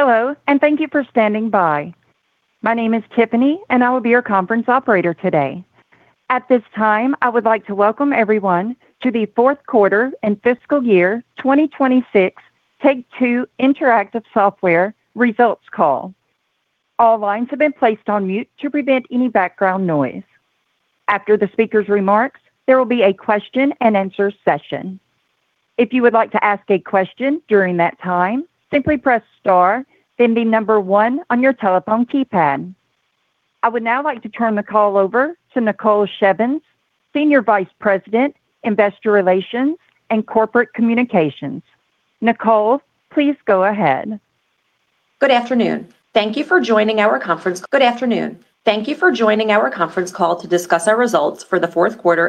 Hello, and thank you for standing by. My name is Tiffany and I will be your conference operator today. At this time, I would like to welcome everyone to the fourth quarter and fiscal year 2026 Take-Two Interactive Software results call. All lines have been placed on mute to prevent any background noise. After the speakers' remarks, there will be a question-and-answer session. If you would like to ask a question during that time, simply press star, then the number one on your telephone keypad. I would now like to turn the call over to Nicole Shevins, Senior Vice President, Investor Relations and Corporate Communications. Nicole, please go ahead. Good afternoon. Thank you for joining our conference call to discuss our results for the fourth quarter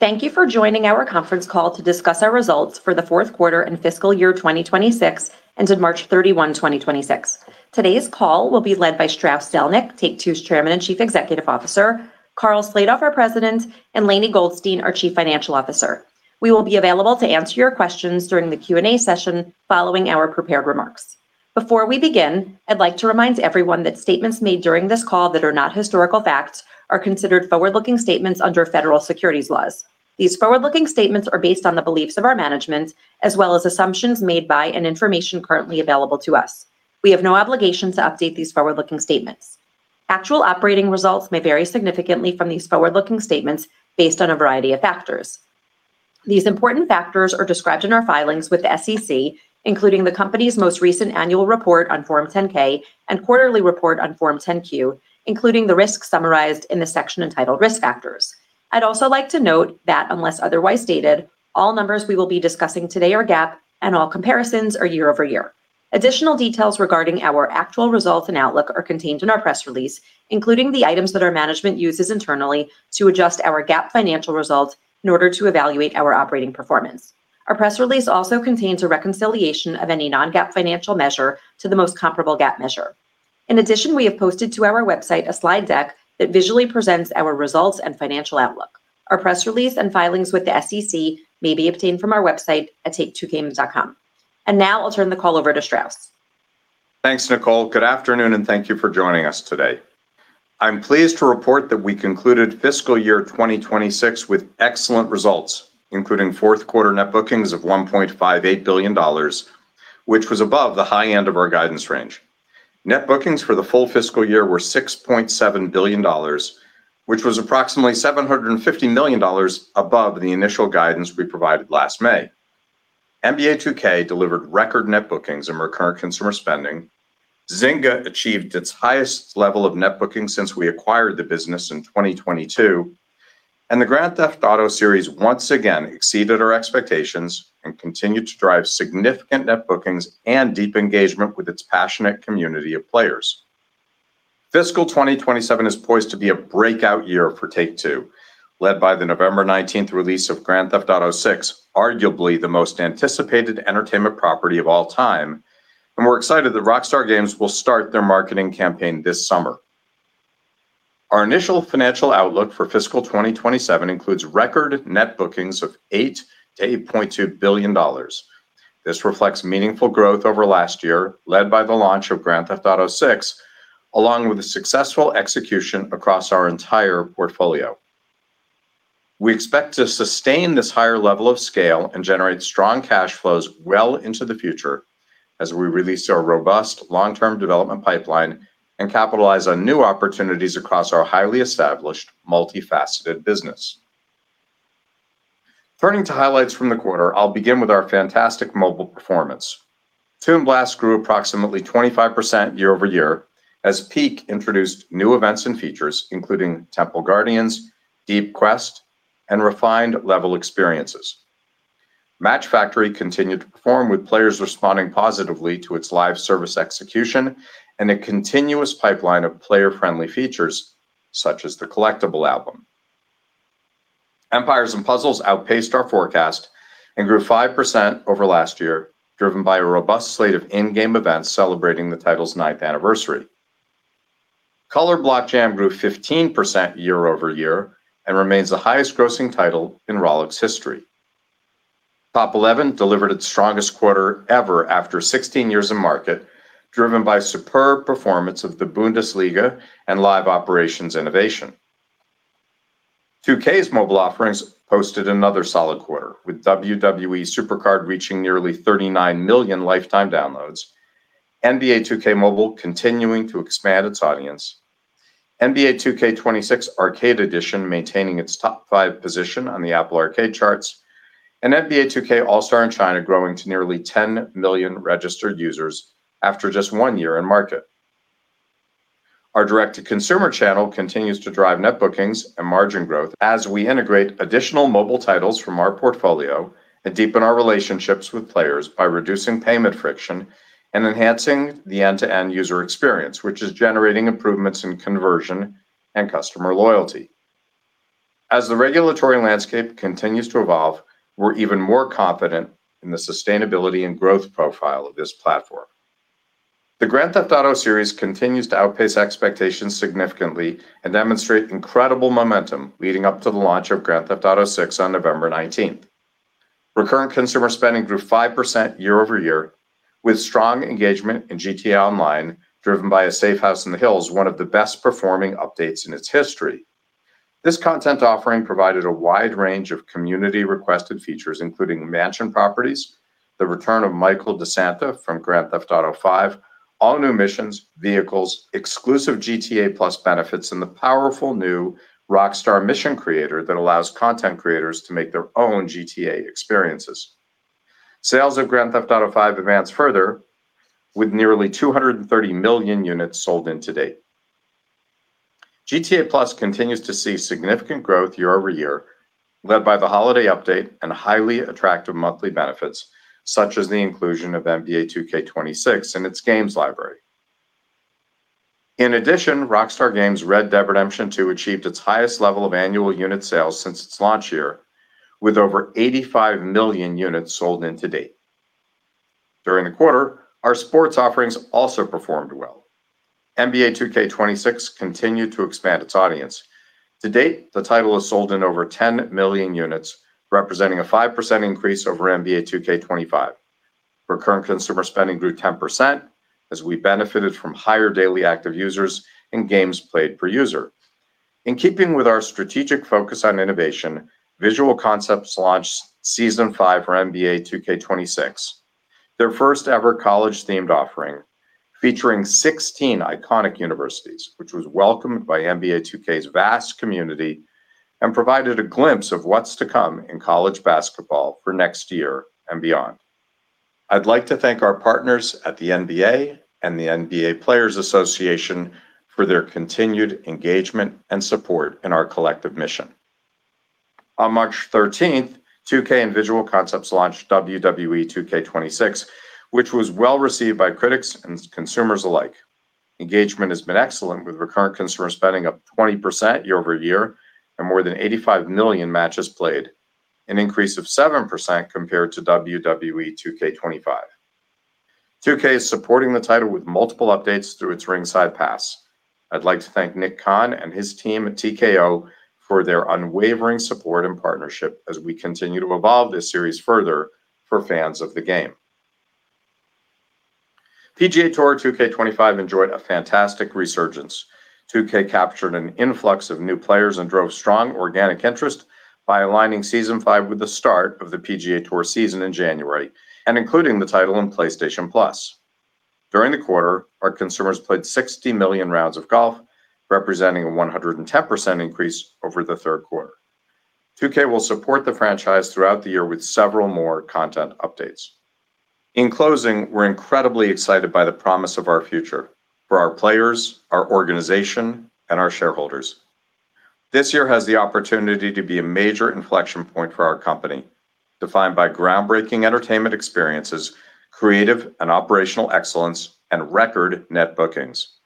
and fiscal year 2026, and to March 31, 2026. Today's call will be led by Strauss Zelnick, Take-Two's Chairman and Chief Executive Officer, Karl Slatoff, our President, and Lainie Goldstein, our Chief Financial Officer. We will be available to answer your questions during the Q&A session following our prepared remarks. Before we begin, I'd like to remind everyone that statements made during this call that are not historical facts are considered forward-looking statements under federal securities laws. These forward-looking statements are based on the beliefs of our management, as well as assumptions made by and information currently available to us. We have no obligation to update these forward-looking statements. Actual operating results may vary significantly from these forward-looking statements based on a variety of factors. These important factors are described in our filings with the SEC, including the company's most recent annual report on Form 10-K and quarterly report on Form 10-Q, including the risks summarized in the section entitled Risk Factors. I'd also like to note that, unless otherwise stated, all numbers we will be discussing today are GAAP and all comparisons are year-over-year. Additional details regarding our actual results and outlook are contained in our press release, including the items that our management uses internally to adjust our GAAP financial results in order to evaluate our operating performance. Our press release also contains a reconciliation of any non-GAAP financial measure to the most comparable GAAP measure. In addition, we have posted to our website a slide deck that visually presents our results and financial outlook. Our press release and filings with the SEC may be obtained from our website at take2games.com. Now, I'll turn the call over to Strauss. Thanks, Nicole. Good afternoon, thank you for joining us today. I'm pleased to report that we concluded fiscal year 2026 with excellent results, including fourth quarter Net Bookings of $1.58 billion, which was above the high end of our guidance range. Net Bookings for the full fiscal year were $6.7 billion, which was approximately $750 million above the initial guidance we provided last May. NBA 2K delivered record Net Bookings and recurrent consumer spending. Zynga achieved its highest level of Net Bookings since we acquired the business in 2022. The Grand Theft Auto series once again exceeded our expectations and continued to drive significant Net Bookings and deep engagement with its passionate community of players. Fiscal 2027 is poised to be a breakout year for Take-Two, led by the November 19th release of Grand Theft Auto VI, arguably the most anticipated entertainment property of all time. We're excited that Rockstar Games will start their marketing campaign this summer. Our initial financial outlook for Fiscal 2027 includes record Net Bookings of $8 billion-$8.2 billion. This reflects meaningful growth over last year, led by the launch of Grand Theft Auto VI, along with the successful execution across our entire portfolio. We expect to sustain this higher level of scale and generate strong cash flows well into the future as we release our robust long-term development pipeline and capitalize on new opportunities across our highly established, multifaceted business. Turning to highlights from the quarter, I'll begin with our fantastic mobile performance. Toon Blast grew approximately 25% year-over-year as Peak introduced new events and features, including Temple Guardians, Deep Quest, and refined level experiences. Match Factory continued to perform, with players responding positively to its live service execution and a continuous pipeline of player-friendly features, such as the collectible album. Empires & Puzzles outpaced our forecast and grew 5% over last year, driven by a robust slate of in-game events celebrating the title's ninth anniversary. Color Block Jam grew 15% year-over-year and remains the highest grossing title in Rollic's history. Top Eleven delivered its strongest quarter ever after 16 years in market, driven by superb performance of the Bundesliga and live operations innovation. 2K's mobile offerings posted another solid quarter, with WWE SuperCard reaching nearly 39 million lifetime downloads, NBA 2K Mobile continuing to expand its audience, NBA 2K26 Arcade Edition maintaining its top five position on the Apple Arcade charts, and NBA 2K All-Star in China growing to nearly 10 million registered users after just one year in market. Our direct-to-consumer channel continues to drive Net Bookings and margin growth as we integrate additional mobile titles from our portfolio and deepen our relationships with players by reducing payment friction and enhancing the end-to-end user experience, which is generating improvements in conversion and customer loyalty. As the regulatory landscape continues to evolve, we're even more confident in the sustainability and growth profile of this platform. The Grand Theft Auto series continues to outpace expectations significantly and demonstrate incredible momentum leading up to the launch of Grand Theft Auto VI on November 19th. Recurrent consumer spending grew 5% year-over-year with strong engagement in GTA Online, driven by A Safehouse in the Hills, one of the best-performing updates in its history. This content offering provided a wide range of community-requested features, including mansion properties, the return of Michael De Santa from Grand Theft Auto V, all new missions, vehicles, exclusive GTA+ benefits, and the powerful new Rockstar Mission Creator that allows content creators to make their own GTA experiences. Sales of Grand Theft Auto V advanced further with nearly 230 million units sold in to date. GTA+ continues to see significant growth year-over-year, led by the holiday update and highly attractive monthly benefits such as the inclusion of NBA 2K26 in its games library. In addition, Rockstar Games' Red Dead Redemption 2 achieved its highest level of annual unit sales since its launch year, with over 85 million units sold in to date. During the quarter, our sports offerings also performed well. NBA 2K26 continued to expand its audience. To date, the title has sold in over 10 million units, representing a 5% increase over NBA 2K25. Recurrent consumer spending grew 10% as we benefited from higher daily active users and games played per user. In keeping with our strategic focus on innovation, Visual Concepts launched Season 5 for NBA 2K26, their first-ever college-themed offering featuring 16 iconic universities, which was welcomed by NBA 2K's vast community and provided a glimpse of what's to come in college basketball for next year and beyond. I'd like to thank our partners at the NBA and the NBA Players Association for their continued engagement and support in our collective mission. On March 13th, 2K and Visual Concepts launched WWE 2K26, which was well received by critics and consumers alike. Engagement has been excellent, with recurrent consumer spending up 20% year-over-year and more than 85 million matches played, an increase of 7% compared to WWE 2K25. 2K is supporting the title with multiple updates through its Ringside Pass. I'd like to thank Nick Khan and his team at TKO for their unwavering support and partnership as we continue to evolve this series further for fans of the game. PGA TOUR 2K25 enjoyed a fantastic resurgence. 2K captured an influx of new players and drove strong organic interest by aligning Season 5 with the start of the PGA Tour season in January and including the title in PlayStation Plus. During the quarter, our consumers played 60 million rounds of golf, representing a 110% increase over the third quarter. 2K will support the franchise throughout the year with several more content updates. In closing, we're incredibly excited by the promise of our future for our players, our organization, and our shareholders. This year has the opportunity to be a major inflection point for our company, defined by groundbreaking entertainment experiences, creative and operational excellence, and record Net Bookings.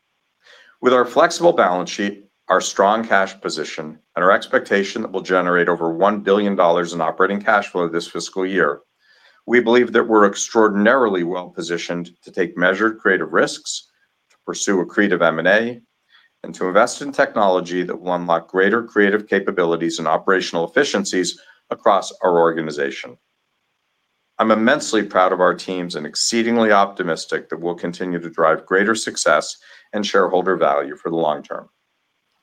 With our flexible balance sheet, our strong cash position, and our expectation that we'll generate over $1 billion in operating cash flow this fiscal year, we believe that we're extraordinarily well-positioned to take measured creative risks, to pursue accretive M&A, and to invest in technology that will unlock greater creative capabilities and operational efficiencies across our organization. I'm immensely proud of our teams and exceedingly optimistic that we'll continue to drive greater success and shareholder value for the long term.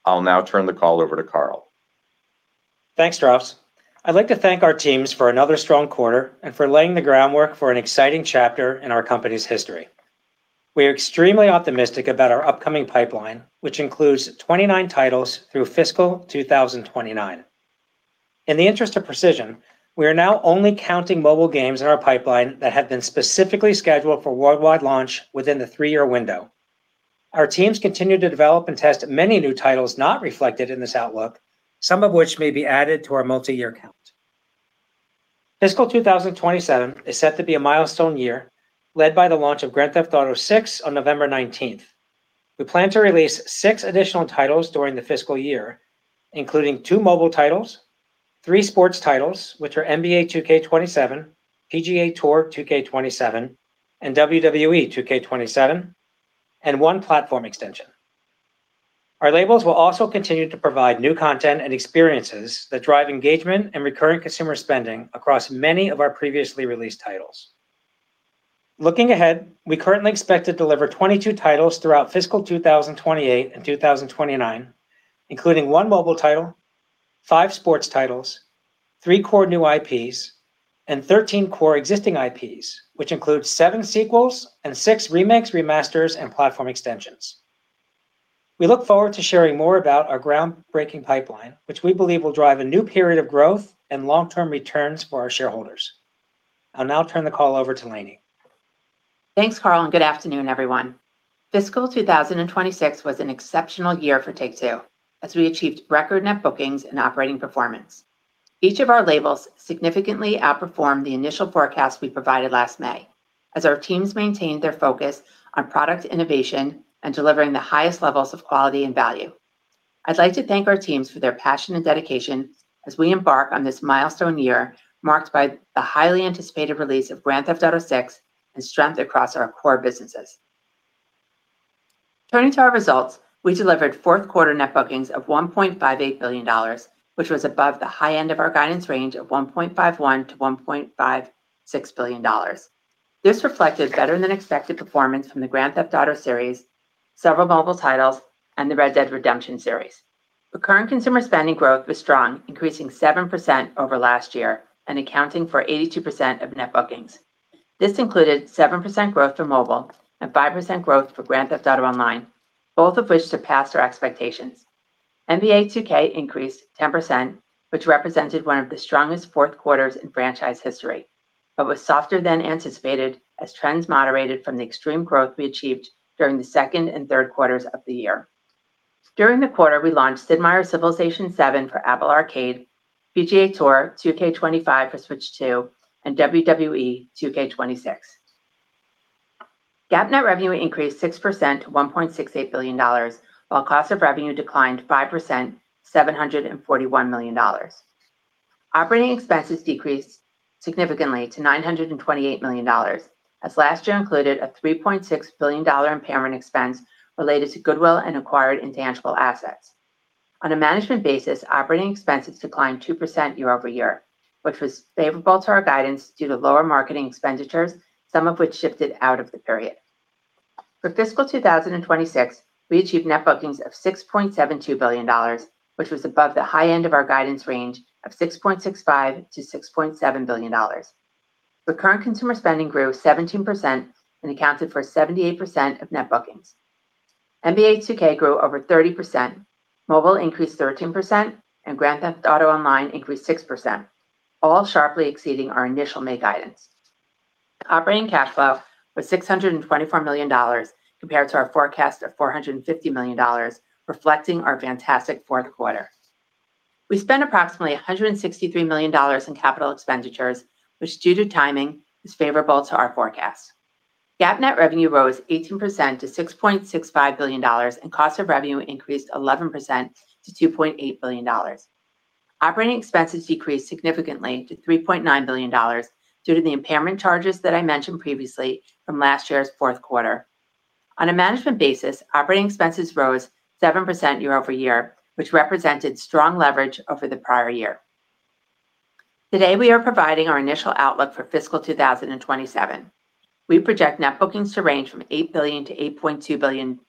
I'll now turn the call over to Karl. Thanks, Strauss. I'd like to thank our teams for another strong quarter and for laying the groundwork for an exciting chapter in our company's history. We are extremely optimistic about our upcoming pipeline, which includes 29 titles through fiscal 2029. In the interest of precision, we are now only counting mobile games in our pipeline that have been specifically scheduled for worldwide launch within the three-year window. Our teams continue to develop and test many new titles not reflected in this outlook, some of which may be added to our multi-year count. Fiscal 2027 is set to be a milestone year, led by the launch of Grand Theft Auto VI on November 19th. We plan to release six additional titles during the fiscal year, including two mobile titles, three sports titles, which are NBA 2K27, PGA TOUR 2K27, and WWE 2K27, and one platform extension. Our labels will also continue to provide new content and experiences that drive engagement and recurrent consumer spending across many of our previously released titles. Looking ahead, we currently expect to deliver 22 titles throughout fiscal 2028 and 2029, including one mobile title, five sports titles, three core new IPs, and 13 core existing IPs, which includes seven sequels and six remakes, remasters, and platform extensions. We look forward to sharing more about our groundbreaking pipeline, which we believe will drive a new period of growth and long-term returns for our shareholders. I'll now turn the call over to Lainie. Thanks, Karl, good afternoon, everyone. Fiscal 2026 was an exceptional year for Take-Two as we achieved record Net Bookings and operating performance. Each of our labels significantly outperformed the initial forecast we provided last May as our teams maintained their focus on product innovation and delivering the highest levels of quality and value. I'd like to thank our teams for their passion and dedication as we embark on this milestone year, marked by the highly anticipated release of Grand Theft Auto VI and strength across our core businesses. Turning to our results, we delivered fourth quarter Net Bookings of $1.58 billion, which was above the high end of our guidance range of $1.51 billion-$1.56 billion. This reflected better than expected performance from the Grand Theft Auto series, several mobile titles, and the Red Dead Redemption series. Recurrent consumer spending growth was strong, increasing 7% over last year and accounting for 82% of Net Bookings. This included 7% growth for mobile and 5% growth for Grand Theft Auto Online, both of which surpassed our expectations. NBA 2K increased 10%, which represented one of the strongest fourth quarters in franchise history, but was softer than anticipated as trends moderated from the extreme growth we achieved during the second and third quarters of the year. During the quarter, we launched Sid Meier's Civilization VII for Apple Arcade, PGA TOUR 2K25 for Switch 2, and WWE 2K26. GAAP net revenue increased 6% to $1.68 billion, while cost of revenue declined 5%, $741 million. Operating expenses decreased significantly to $928 million, as last year included a $3.6 billion impairment expense related to goodwill and acquired intangible assets. On a management basis, operating expenses declined 2% year-over-year, which was favorable to our guidance due to lower marketing expenditures, some of which shifted out of the period. For fiscal 2026, we achieved Net Bookings of $6.72 billion, which was above the high end of our guidance range of $6.65 billion-$6.7 billion. Recurrent consumer spending grew 17% and accounted for 78% of Net Bookings. NBA 2K grew over 30%, mobile increased 13%, and Grand Theft Auto Online increased 6%, all sharply exceeding our initial May guidance. Operating cash flow was $624 million compared to our forecast of $450 million, reflecting our fantastic fourth quarter. We spent approximately $163 million in capital expenditures, which, due to timing, is favorable to our forecast. GAAP net revenue rose 18% to $6.65 billion and cost of revenue increased 11% to $2.8 billion. Operating expenses decreased significantly to $3.9 billion due to the impairment charges that I mentioned previously from last year's fourth quarter. On a management basis, operating expenses rose 7% year-over-year, which represented strong leverage over the prior year. Today, we are providing our initial outlook for fiscal 2027. We project Net Bookings to range from $8 billion-$8.2 billion,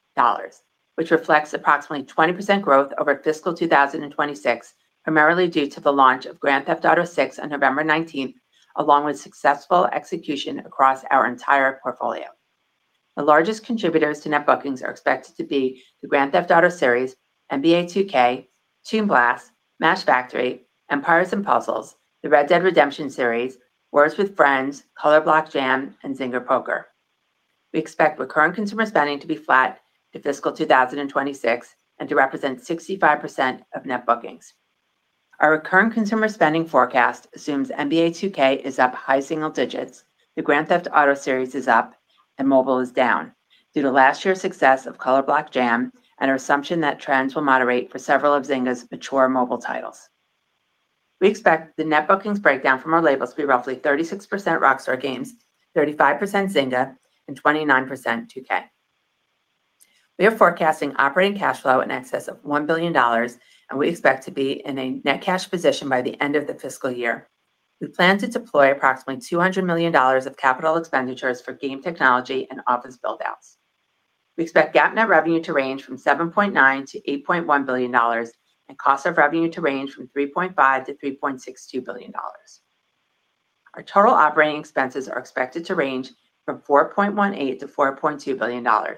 which reflects approximately 20% growth over fiscal 2026, primarily due to the launch of Grand Theft Auto VI on November 19th, along with successful execution across our entire portfolio. The largest contributors to Net Bookings are expected to be the Grand Theft Auto series, NBA 2K, Toon Blast, Match Factory, Empires & Puzzles, the Red Dead Redemption series, Words with Friends, Color Block Jam, and Zynga Poker. We expect recurrent consumer spending to be flat to fiscal 2026 and to represent 65% of Net Bookings. Our recurrent consumer spending forecast assumes NBA 2K is up high single-digits, the Grand Theft Auto series is up, and mobile is down due to last year's success of Color Block Jam and our assumption that trends will moderate for several of Zynga's mature mobile titles. We expect the Net Bookings breakdown from our labels to be roughly 36% Rockstar Games, 35% Zynga, and 29% 2K. We are forecasting operating cash flow in excess of $1 billion, and we expect to be in a net cash position by the end of the fiscal year. We plan to deploy approximately $200 million of capital expenditures for game technology and office buildouts. We expect GAAP net revenue to range from $7.9 billion-$8.1 billion and cost of revenue to range from $3.5 billion-$3.62 billion. Our total operating expenses are expected to range from $4.18 billion-$4.2 billion.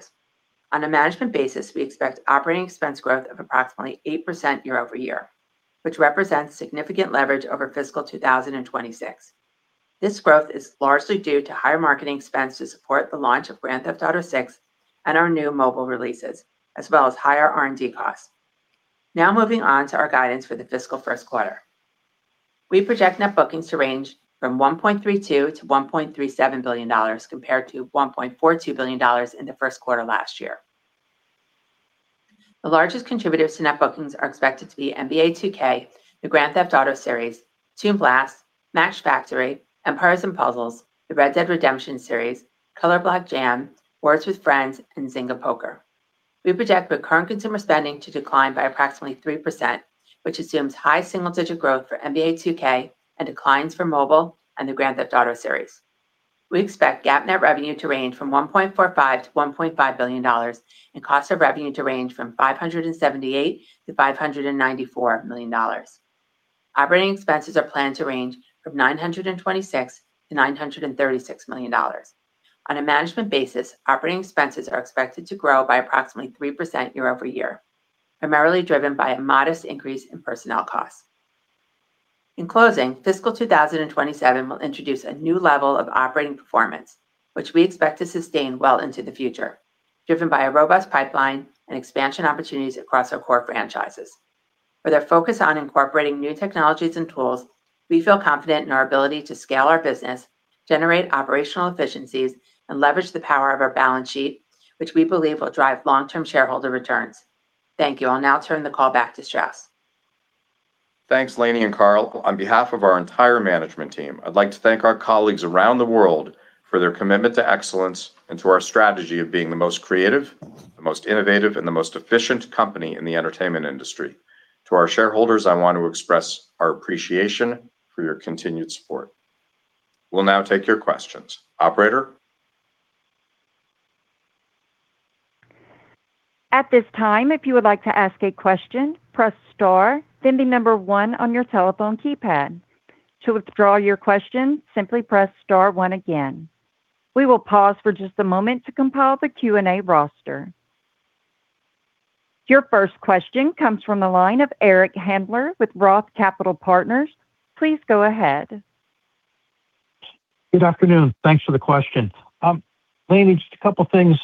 On a management basis, we expect operating expense growth of approximately 8% year-over-year, which represents significant leverage over fiscal 2026. This growth is largely due to higher marketing expense to support the launch of Grand Theft Auto VI and our new mobile releases, as well as higher R&D costs. Moving on to our guidance for the fiscal first quarter. We project Net Bookings to range from $1.32 billion-$1.37 billion, compared to $1.42 billion in the first quarter last year. The largest contributors to Net Bookings are expected to be NBA 2K, the Grand Theft Auto series, Toon Blast, Match Factory, Empires & Puzzles, the Red Dead Redemption series, Color Block Jam, Words with Friends, and Zynga Poker. We project recurrent consumer spending to decline by approximately 3%, which assumes high single-digit growth for NBA 2K and declines for mobile and the Grand Theft Auto series. We expect GAAP net revenue to range from $1.45 billion-$1.5 billion and cost of revenue to range from $578 million-$594 million. Operating expenses are planned to range from $926 million-$936 million. On a management basis, operating expenses are expected to grow by approximately 3% year-over-year, primarily driven by a modest increase in personnel costs. In closing, fiscal 2027 will introduce a new level of operating performance, which we expect to sustain well into the future, driven by a robust pipeline and expansion opportunities across our core franchises. With our focus on incorporating new technologies and tools, we feel confident in our ability to scale our business, generate operational efficiencies, and leverage the power of our balance sheet, which we believe will drive long-term shareholder returns. Thank you. I'll now turn the call back to Strauss. Thanks, Lainie and Karl. On behalf of our entire management team, I'd like to thank our colleagues around the world for their commitment to excellence and to our strategy of being the most creative, the most innovative, and the most efficient company in the entertainment industry. To our shareholders, I want to express our appreciation for your continued support. We'll now take your questions. Operator? At this time, if you would like to ask a question, press star, then the number one on your telephone keypad. To withdraw your question, simply press star one again. We will pause for just a moment to compile the Q&A roster. Your first question comes from the line of Eric Handler with Roth Capital Partners. Please go ahead. Good afternoon. Thanks for the question. Lainie, just a couple things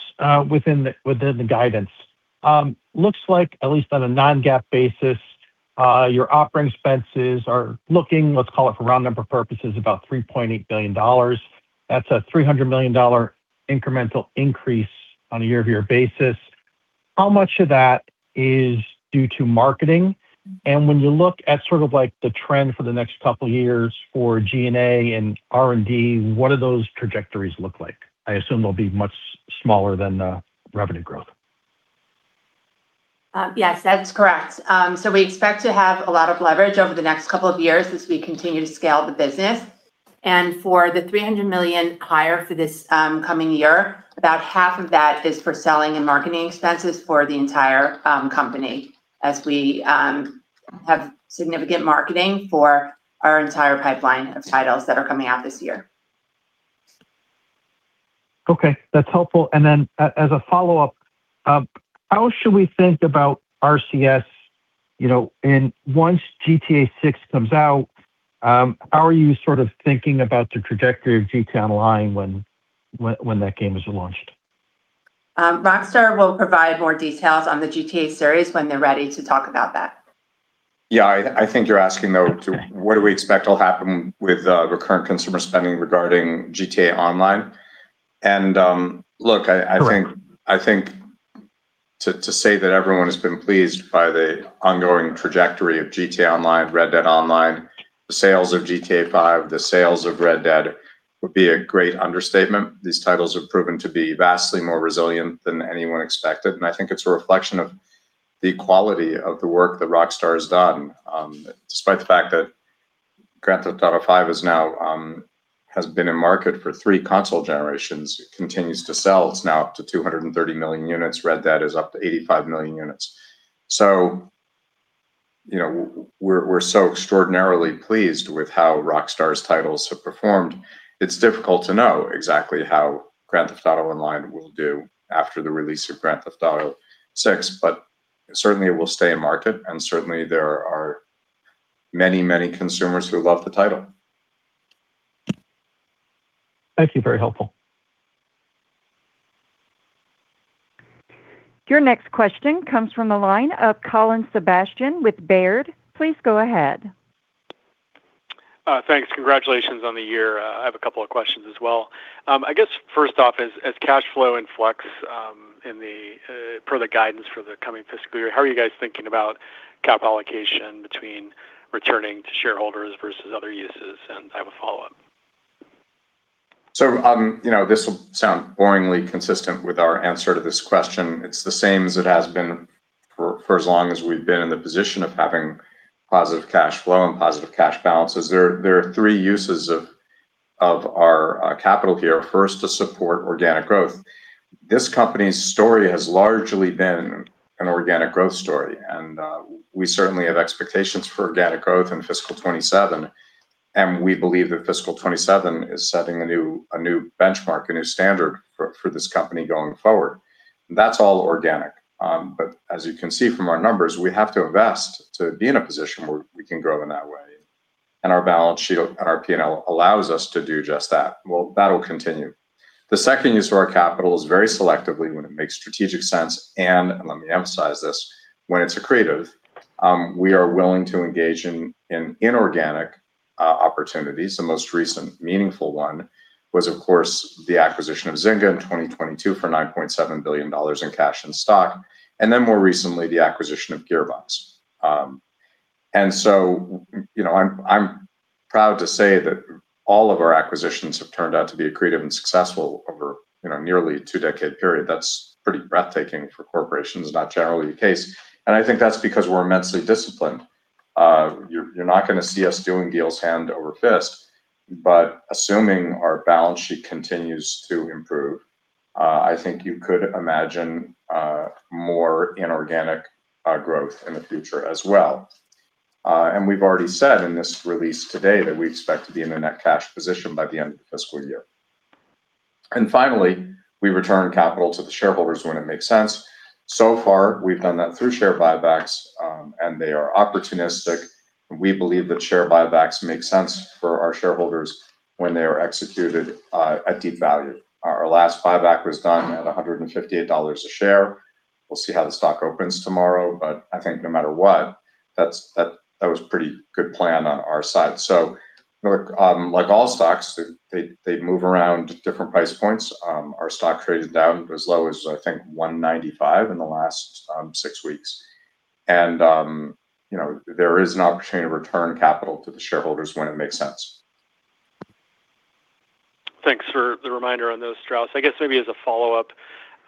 within the guidance. Looks like, at least on a non-GAAP basis, your operating expenses are looking, let's call it for round number purposes, about $3.8 billion. That's a $300 million incremental increase on a year-over-year basis. How much of that is due to marketing? When you look at the trend for the next couple of years for G&A and R&D, what do those trajectories look like? I assume they'll be much smaller than the revenue growth. Yes, that's correct. We expect to have a lot of leverage over the next couple of years as we continue to scale the business. For the $300 million higher for this coming year, about 1/2 of that is for selling and marketing expenses for the entire company as we have significant marketing for our entire pipeline of titles that are coming out this year. Okay. That's helpful. As a follow-up, how should we think about RCS? Once GTA VI comes out, how are you thinking about the trajectory of GTA Online when that game is launched? Rockstar will provide more details on the GTA series when they're ready to talk about that. I think you're asking though- Okay.... what do we expect will happen with recurrent consumer spending regarding GTA Online? Correct. I think to say that everyone has been pleased by the ongoing trajectory of GTA Online, Red Dead Online, the sales of GTA V, the sales of Red Dead would be a great understatement. These titles have proven to be vastly more resilient than anyone expected, and I think it's a reflection of the quality of the work that Rockstar has done. Despite the fact that Grand Theft Auto V has been in market for three console generations, it continues to sell. It's now up to 230 million units. Red Dead is up to 85 million units. We're so extraordinarily pleased with how Rockstar's titles have performed. It's difficult to know exactly how Grand Theft Auto Online will do after the release of Grand Theft Auto VI, but certainly it will stay in market and certainly there are many consumers who love the title. Thank you. Very helpful. Your next question comes from the line of Colin Sebastian with Baird. Please go ahead. Thanks. Congratulations on the year. I have a couple of questions as well. I guess first off, as cash flow and flex per the guidance for the coming fiscal year, how are you guys thinking about cap allocation between returning to shareholders versus other uses? I have a follow-up. This will sound boringly consistent with our answer to this question. It's the same as it has been for as long as we've been in the position of having positive cash flow and positive cash balances. There are three uses of our capital here. First, to support organic growth. This company's story has largely been an organic growth story, and we certainly have expectations for organic growth in fiscal 2027, and we believe that fiscal 2027 is setting a new benchmark, a new standard for this company going forward. That's all organic. As you can see from our numbers, we have to invest to be in a position where we can grow in that way. Our balance sheet and our P&L allows us to do just that. Well, that'll continue. The second use of our capital is very selectively when it makes strategic sense, and let me emphasize this, when it's accretive. We are willing to engage in inorganic opportunities. The most recent meaningful one was, of course, the acquisition of Zynga in 2022 for $9.7 billion in cash and stock. More recently, the acquisition of Gearbox. I'm proud to say that all of our acquisitions have turned out to be accretive and successful over a nearly two-decade period. That's pretty breathtaking. For corporations, it's not generally the case. I think that's because we're immensely disciplined. You're not going to see us doing deals hand over fist. Assuming our balance sheet continues to improve, I think you could imagine more inorganic growth in the future as well. We've already said in this release today that we expect to be in a net cash position by the end of the fiscal year. Finally, we return capital to the shareholders when it makes sense. So far, we've done that through share buybacks, and they are opportunistic. We believe that share buybacks make sense for our shareholders when they are executed at deep value. Our last buyback was done at $158 a share. We'll see how the stock opens tomorrow, but I think no matter what, that was pretty good plan on our side. Look, like all stocks, they move around different price points. Our stock traded down as low as, I think, $195 in the last six weeks. There is an opportunity to return capital to the shareholders when it makes sense. Thanks for the reminder on those, Strauss. I guess maybe as a follow-up,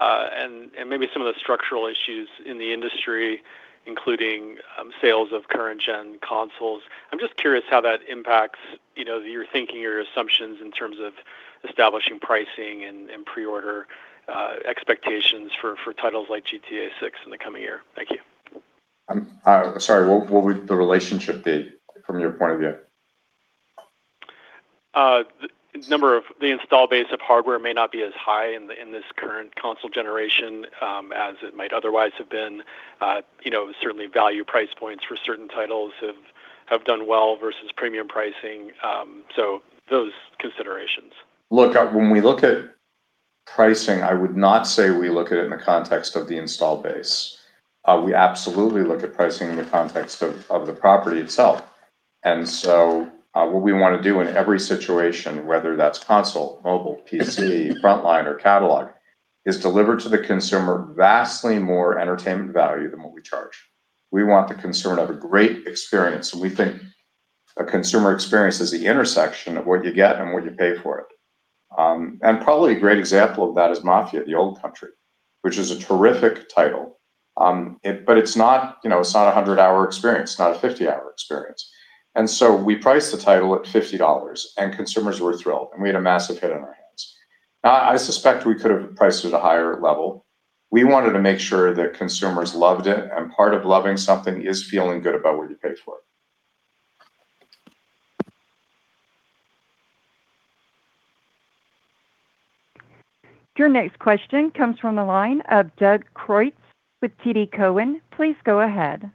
and maybe some of the structural issues in the industry, including sales of current gen consoles, I'm just curious how that impacts your thinking or your assumptions in terms of establishing pricing and pre-order expectations for titles like GTA VI in the coming year. Thank you. I'm sorry, what would the relationship be from your point of view? The number of the install base of hardware may not be as high in this current console generation as it might otherwise have been. Certainly value price points for certain titles have done well versus premium pricing. Those considerations. Look, when we look at pricing, I would not say we look at it in the context of the install base. We absolutely look at pricing in the context of the property itself. What we want to do in every situation, whether that's console, mobile, PC, frontline, or catalog, is deliver to the consumer vastly more entertainment value than what we charge. We want the consumer to have a great experience. We think a consumer experience is the intersection of what you get and what you pay for it. Probably a great example of that is Mafia: The Old Country, which is a terrific title. It's not some 100-hour experience, it's not a 50-hour experience. We priced the title at $50, and consumers were thrilled, and we had a massive hit on our hands. I suspect we could have priced it at a higher level. We wanted to make sure that consumers loved it, and part of loving something is feeling good about what you paid for it. Your next question comes from the line of Doug Creutz with TD Cowen. Please go ahead.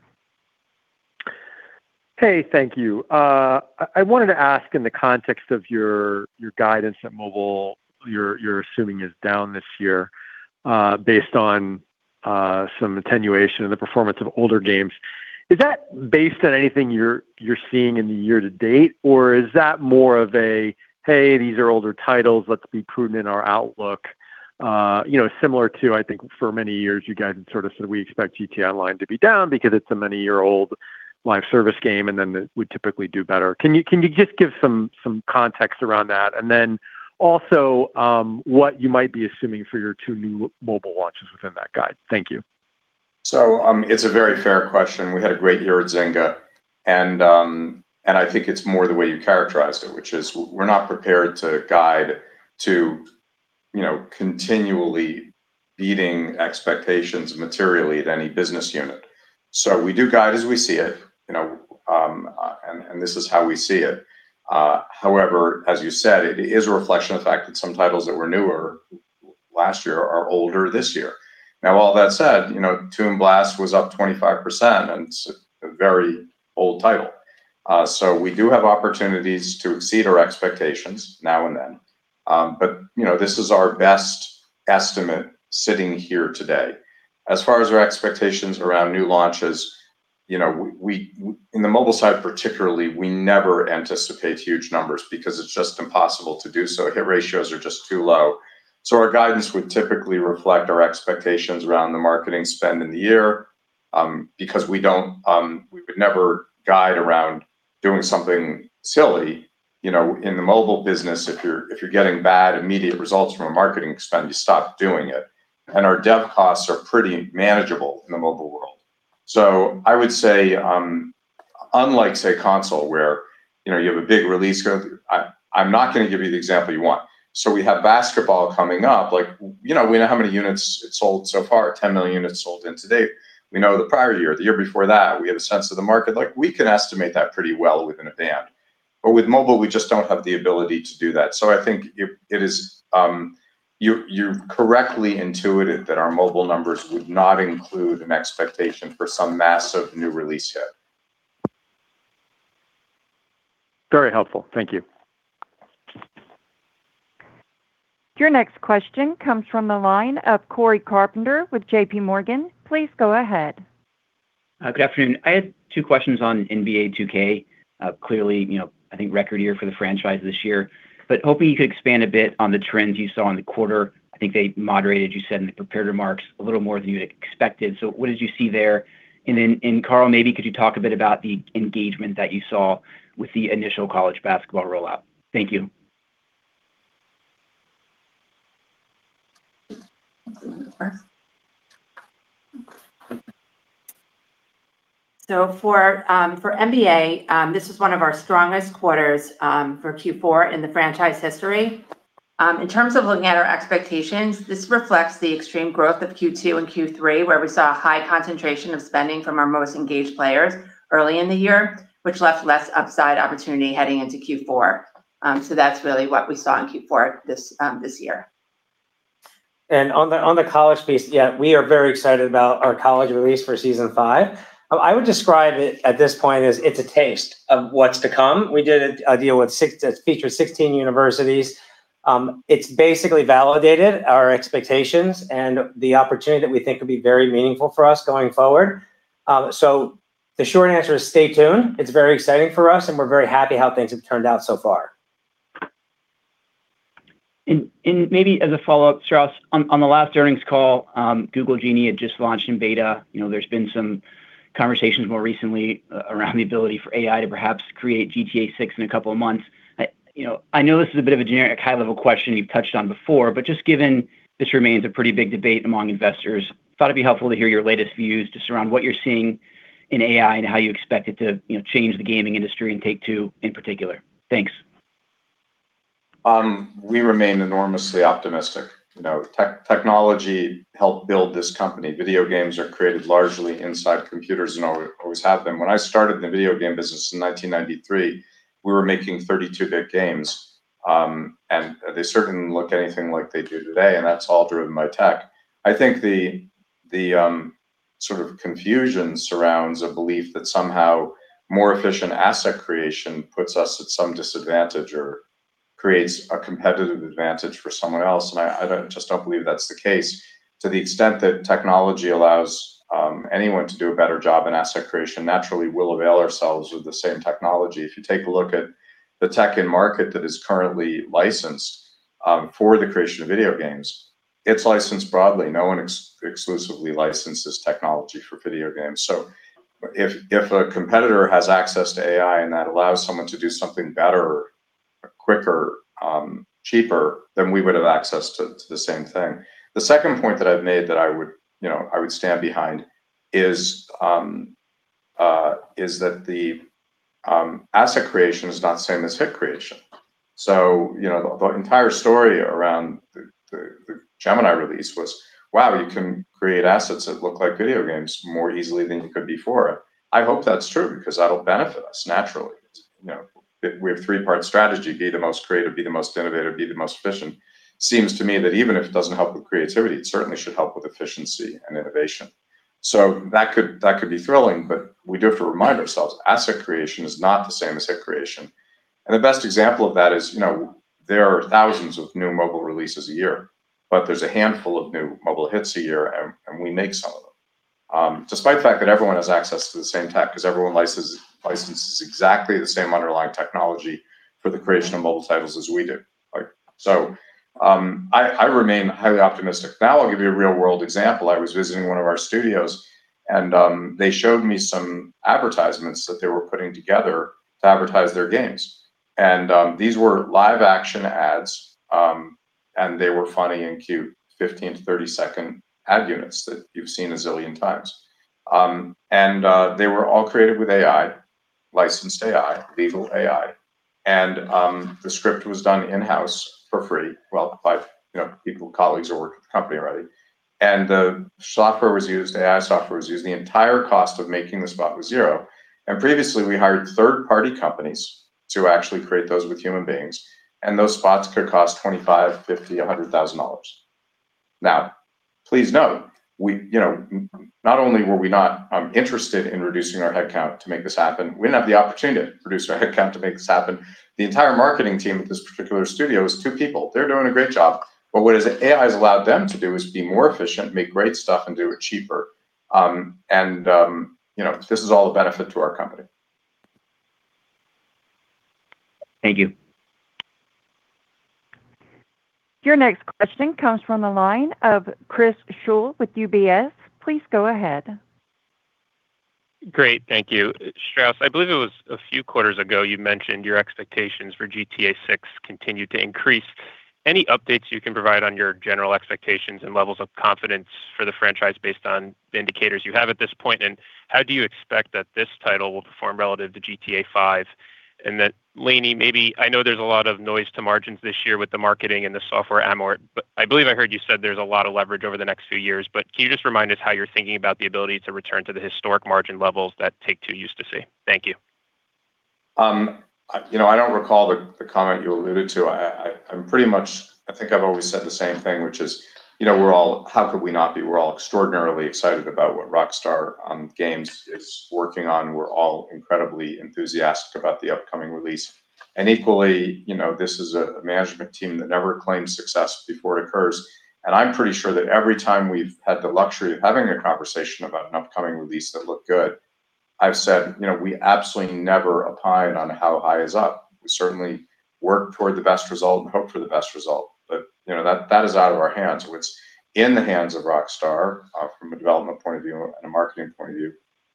Hey, thank you. I wanted to ask in the context of your guidance at mobile, you're assuming is down this year based on some attenuation in the performance of older games. Is that based on anything you're seeing in the year to date, or is that more of a, hey, these are older titles, let's be prudent in our outlook. Similar to, I think for many years, you guys have sort of said, we expect GTA Online to be down because it's a many-year-old live service game, and then it would typically do better. Can you just give some context around that? Also what you might be assuming for your two new mobile launches within that guide. Thank you. It's a very fair question. We had a great year at Zynga, and I think it's more the way you characterized it, which is we're not prepared to guide to continually beating expectations materially at any business unit. We do guide as we see it, and this is how we see it. However, as you said, it is a reflection of the fact that some titles that were newer last year are older this year. All that said, Toon Blast was up 25%, and it's a very old title. We do have opportunities to exceed our expectations now and then. This is our best estimate sitting here today. As far as our expectations around new launches, in the mobile side particularly, we never anticipate huge numbers because it's just impossible to do so. Hit ratios are just too low. Our guidance would typically reflect our expectations around the marketing spend in the year, because we would never guide around doing something silly. In the mobile business, if you're getting bad immediate results from a marketing spend, you stop doing it. Our dev costs are pretty manageable in the mobile world. I would say unlike, say, console, where you have a big release go. I'm not going to give you the example you want. We have Basketball coming up. We know how many units it sold so far, 10 million units sold in to date. We know the prior year, the year before that, we have a sense of the market. We can estimate that pretty well within a band. With mobile, we just don't have the ability to do that. I think you've correctly intuited that our mobile numbers would not include an expectation for some massive new release hit. Very helpful. Thank you. Your next question comes from the line of Cory Carpenter with JPMorgan. Please go ahead. Good afternoon. I had two questions on NBA 2K. Clearly, I think record year for the franchise this year. Hoping you could expand a bit on the trends you saw in the quarter. I think they moderated, you said in the prepared remarks, a little more than you'd expected. What did you see there? Then, Karl, maybe could you talk a bit about the engagement that you saw with the initial college basketball rollout? Thank you. Who wants to go first? For NBA, this was one of our strongest quarters for Q4 in the franchise history. In terms of looking at our expectations, this reflects the extreme growth of Q2 and Q3, where we saw a high concentration of spending from our most engaged players early in the year, which left less upside opportunity heading into Q4. That's really what we saw in Q4 this year. On the college piece, we are very excited about our college release for Season 5. I would describe it at this point as it's a taste of what's to come. We did a deal that features 16 universities. It's basically validated our expectations and the opportunity that we think could be very meaningful for us going forward. The short answer is stay tuned. It's very exciting for us, and we're very happy how things have turned out so far. Maybe as a follow-up, Strauss, on the last earnings call, Google's Genie had just launched in beta. There's been some conversations more recently around the ability for AI to perhaps create GTA VI in a couple of months. I know this is a bit of a generic high-level question you've touched on before, but just given this remains a pretty big debate among investors, I thought it'd be helpful to hear your latest views just around what you're seeing in AI and how you expect it to change the gaming industry and Take-Two in particular. Thanks. We remain enormously optimistic. Technology helped build this company. Video games are created largely inside computers and always have been. When I started in the video game business in 1993, we were making 32-bit games, and they certainly didn't look anything like they do today, and that's all driven by tech. I think the sort of confusion surrounds a belief that somehow more efficient asset creation puts us at some disadvantage or creates a competitive advantage for someone else, and I just don't believe that's the case. To the extent that technology allows anyone to do a better job in asset creation, naturally, we'll avail ourselves with the same technology. If you take a look at the tech in-market that is currently licensed for the creation of video games, it's licensed broadly. No one exclusively licenses technology for video games. If a competitor has access to AI and that allows someone to do something better, quicker, cheaper, then we would have access to the same thing. The second point that I've made that I would stand behind is that the asset creation is not the same as hit creation. The entire story around the Gemini release was, wow, you can create assets that look like video games more easily than you could before. I hope that's true because that'll benefit us naturally. We have a three-part strategy: be the most creative, be the most innovative, be the most efficient. Seems to me that even if it doesn't help with creativity, it certainly should help with efficiency and innovation. That could be thrilling, but we do have to remind ourselves, asset creation is not the same as hit creation. The best example of that is there are thousands of new mobile releases a year, but there's a handful of new mobile hits a year, and we make some of them. Despite the fact that everyone has access to the same tech because everyone licenses exactly the same underlying technology for the creation of mobile titles as we do. I remain highly optimistic. Now I'll give you a real-world example. I was visiting one of our studios, and they showed me some advertisements that they were putting together to advertise their games. These were live-action ads, and they were funny and cute, 15-30-second ad units that you've seen a zillion times. They were all created with AI, licensed AI, AI. The script was done in-house for free. Well, by people, colleagues who work at the company already. The AI software was used. The entire cost of making the spot was zero. Previously, we hired third-party companies to actually create those with human beings, and those spots could cost $25,000, $50,000, $100,000. Now, please note, not only were we not interested in reducing our head count to make this happen, we didn't have the opportunity to reduce our head count to make this happen. The entire marketing team at this particular studio is two people. They're doing a great job. What AI has allowed them to do is be more efficient, make great stuff, and do it cheaper. This is all a benefit to our company. Thank you. Your next question comes from the line of Chris Schoell with UBS. Please go ahead. Great. Thank you. Strauss, I believe it was a few quarters ago, you mentioned your expectations for GTA VI continued to increase. Any updates you can provide on your general expectations and levels of confidence for the franchise based on the indicators you have at this point, and how do you expect that this title will perform relative to GTA V? Lainie, I know there's a lot of noise to margins this year with the marketing and the software amort, I believe I heard you said there's a lot of leverage over the next few years, can you just remind us how you're thinking about the ability to return to the historic margin levels that Take-Two used to see? Thank you. I don't recall the comment you alluded to. I think I've always said the same thing, which is how could we not be? We're all extraordinarily excited about what Rockstar Games is working on. We're all incredibly enthusiastic about the upcoming release. Equally, this is a management team that never claims success before it occurs. I'm pretty sure that every time we've had the luxury of having a conversation about an upcoming release that looked good, I've said we absolutely never opine on how high is up. We certainly work toward the best result and hope for the best result. That is out of our hands. What's in the hands of Rockstar from a development point of view and a marketing point of view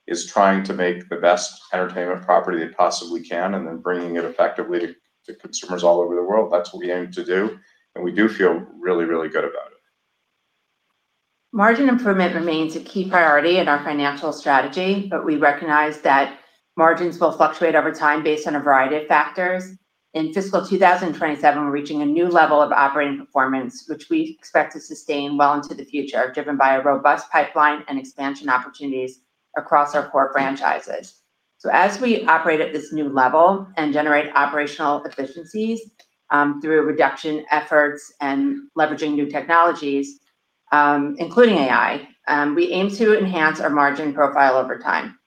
is trying to make the best entertainment property they possibly can and then bringing it effectively to consumers all over the world. That's what we aim to do, and we do feel really, really good about it. Margin improvement remains a key priority in our financial strategy, but we recognize that margins will fluctuate over time based on a variety of factors. In fiscal 2027, we're reaching a new level of operating performance, which we expect to sustain well into the future, driven by a robust pipeline and expansion opportunities across our core franchises. As we operate at this new level and generate operational efficiencies through reduction efforts and leveraging new technologies, including AI, we aim to enhance our margin profile over time.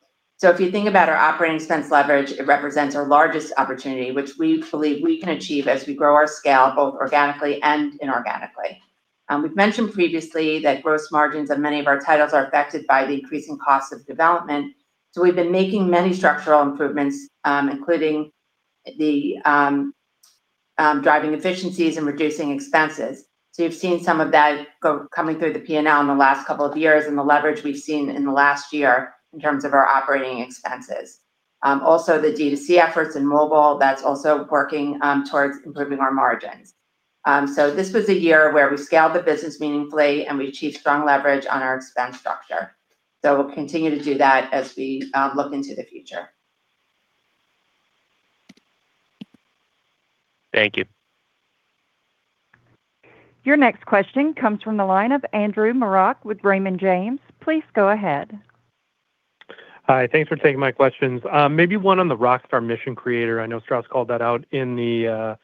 If you think about our operating expense leverage, it represents our largest opportunity, which we believe we can achieve as we grow our scale, both organically and inorganically. We've mentioned previously that gross margins of many of our titles are affected by the increasing cost of development. We've been making many structural improvements, including the driving efficiencies and reducing expenses. You've seen some of that coming through the P&L in the last couple of years and the leverage we've seen in the last year in terms of our operating expenses. Also, the D2C efforts in mobile, that's also working towards improving our margins. This was a year where we scaled the business meaningfully and we achieved strong leverage on our expense structure. We'll continue to do that as we look into the future. Thank you. Your next question comes from the line of Andrew Marok with Raymond James. Please go ahead. Hi. Thanks for taking my questions. Maybe one on the Rockstar Mission Creator. I know Strauss called that out in the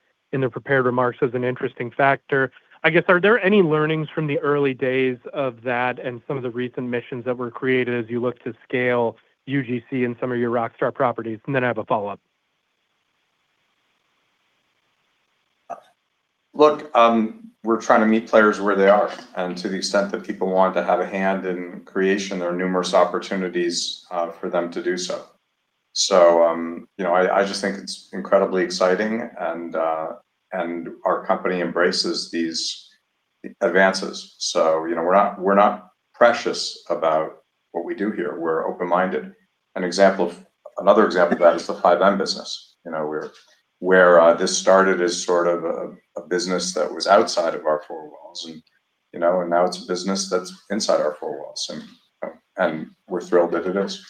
prepared remarks as an interesting factor. I guess, are there any learnings from the early days of that and some of the recent missions that were created as you look to scale UGC in some of your Rockstar properties? I have a follow-up. Look, we're trying to meet players where they are. To the extent that people want to have a hand in creation, there are numerous opportunities for them to do so. I just think it's incredibly exciting and our company embraces these advances. We're not precious about what we do here. We're open-minded. Another example of that is the FiveM business, where this started as sort of a business that was outside of our four walls. Now it's a business that's inside our four walls, and we're thrilled that it is.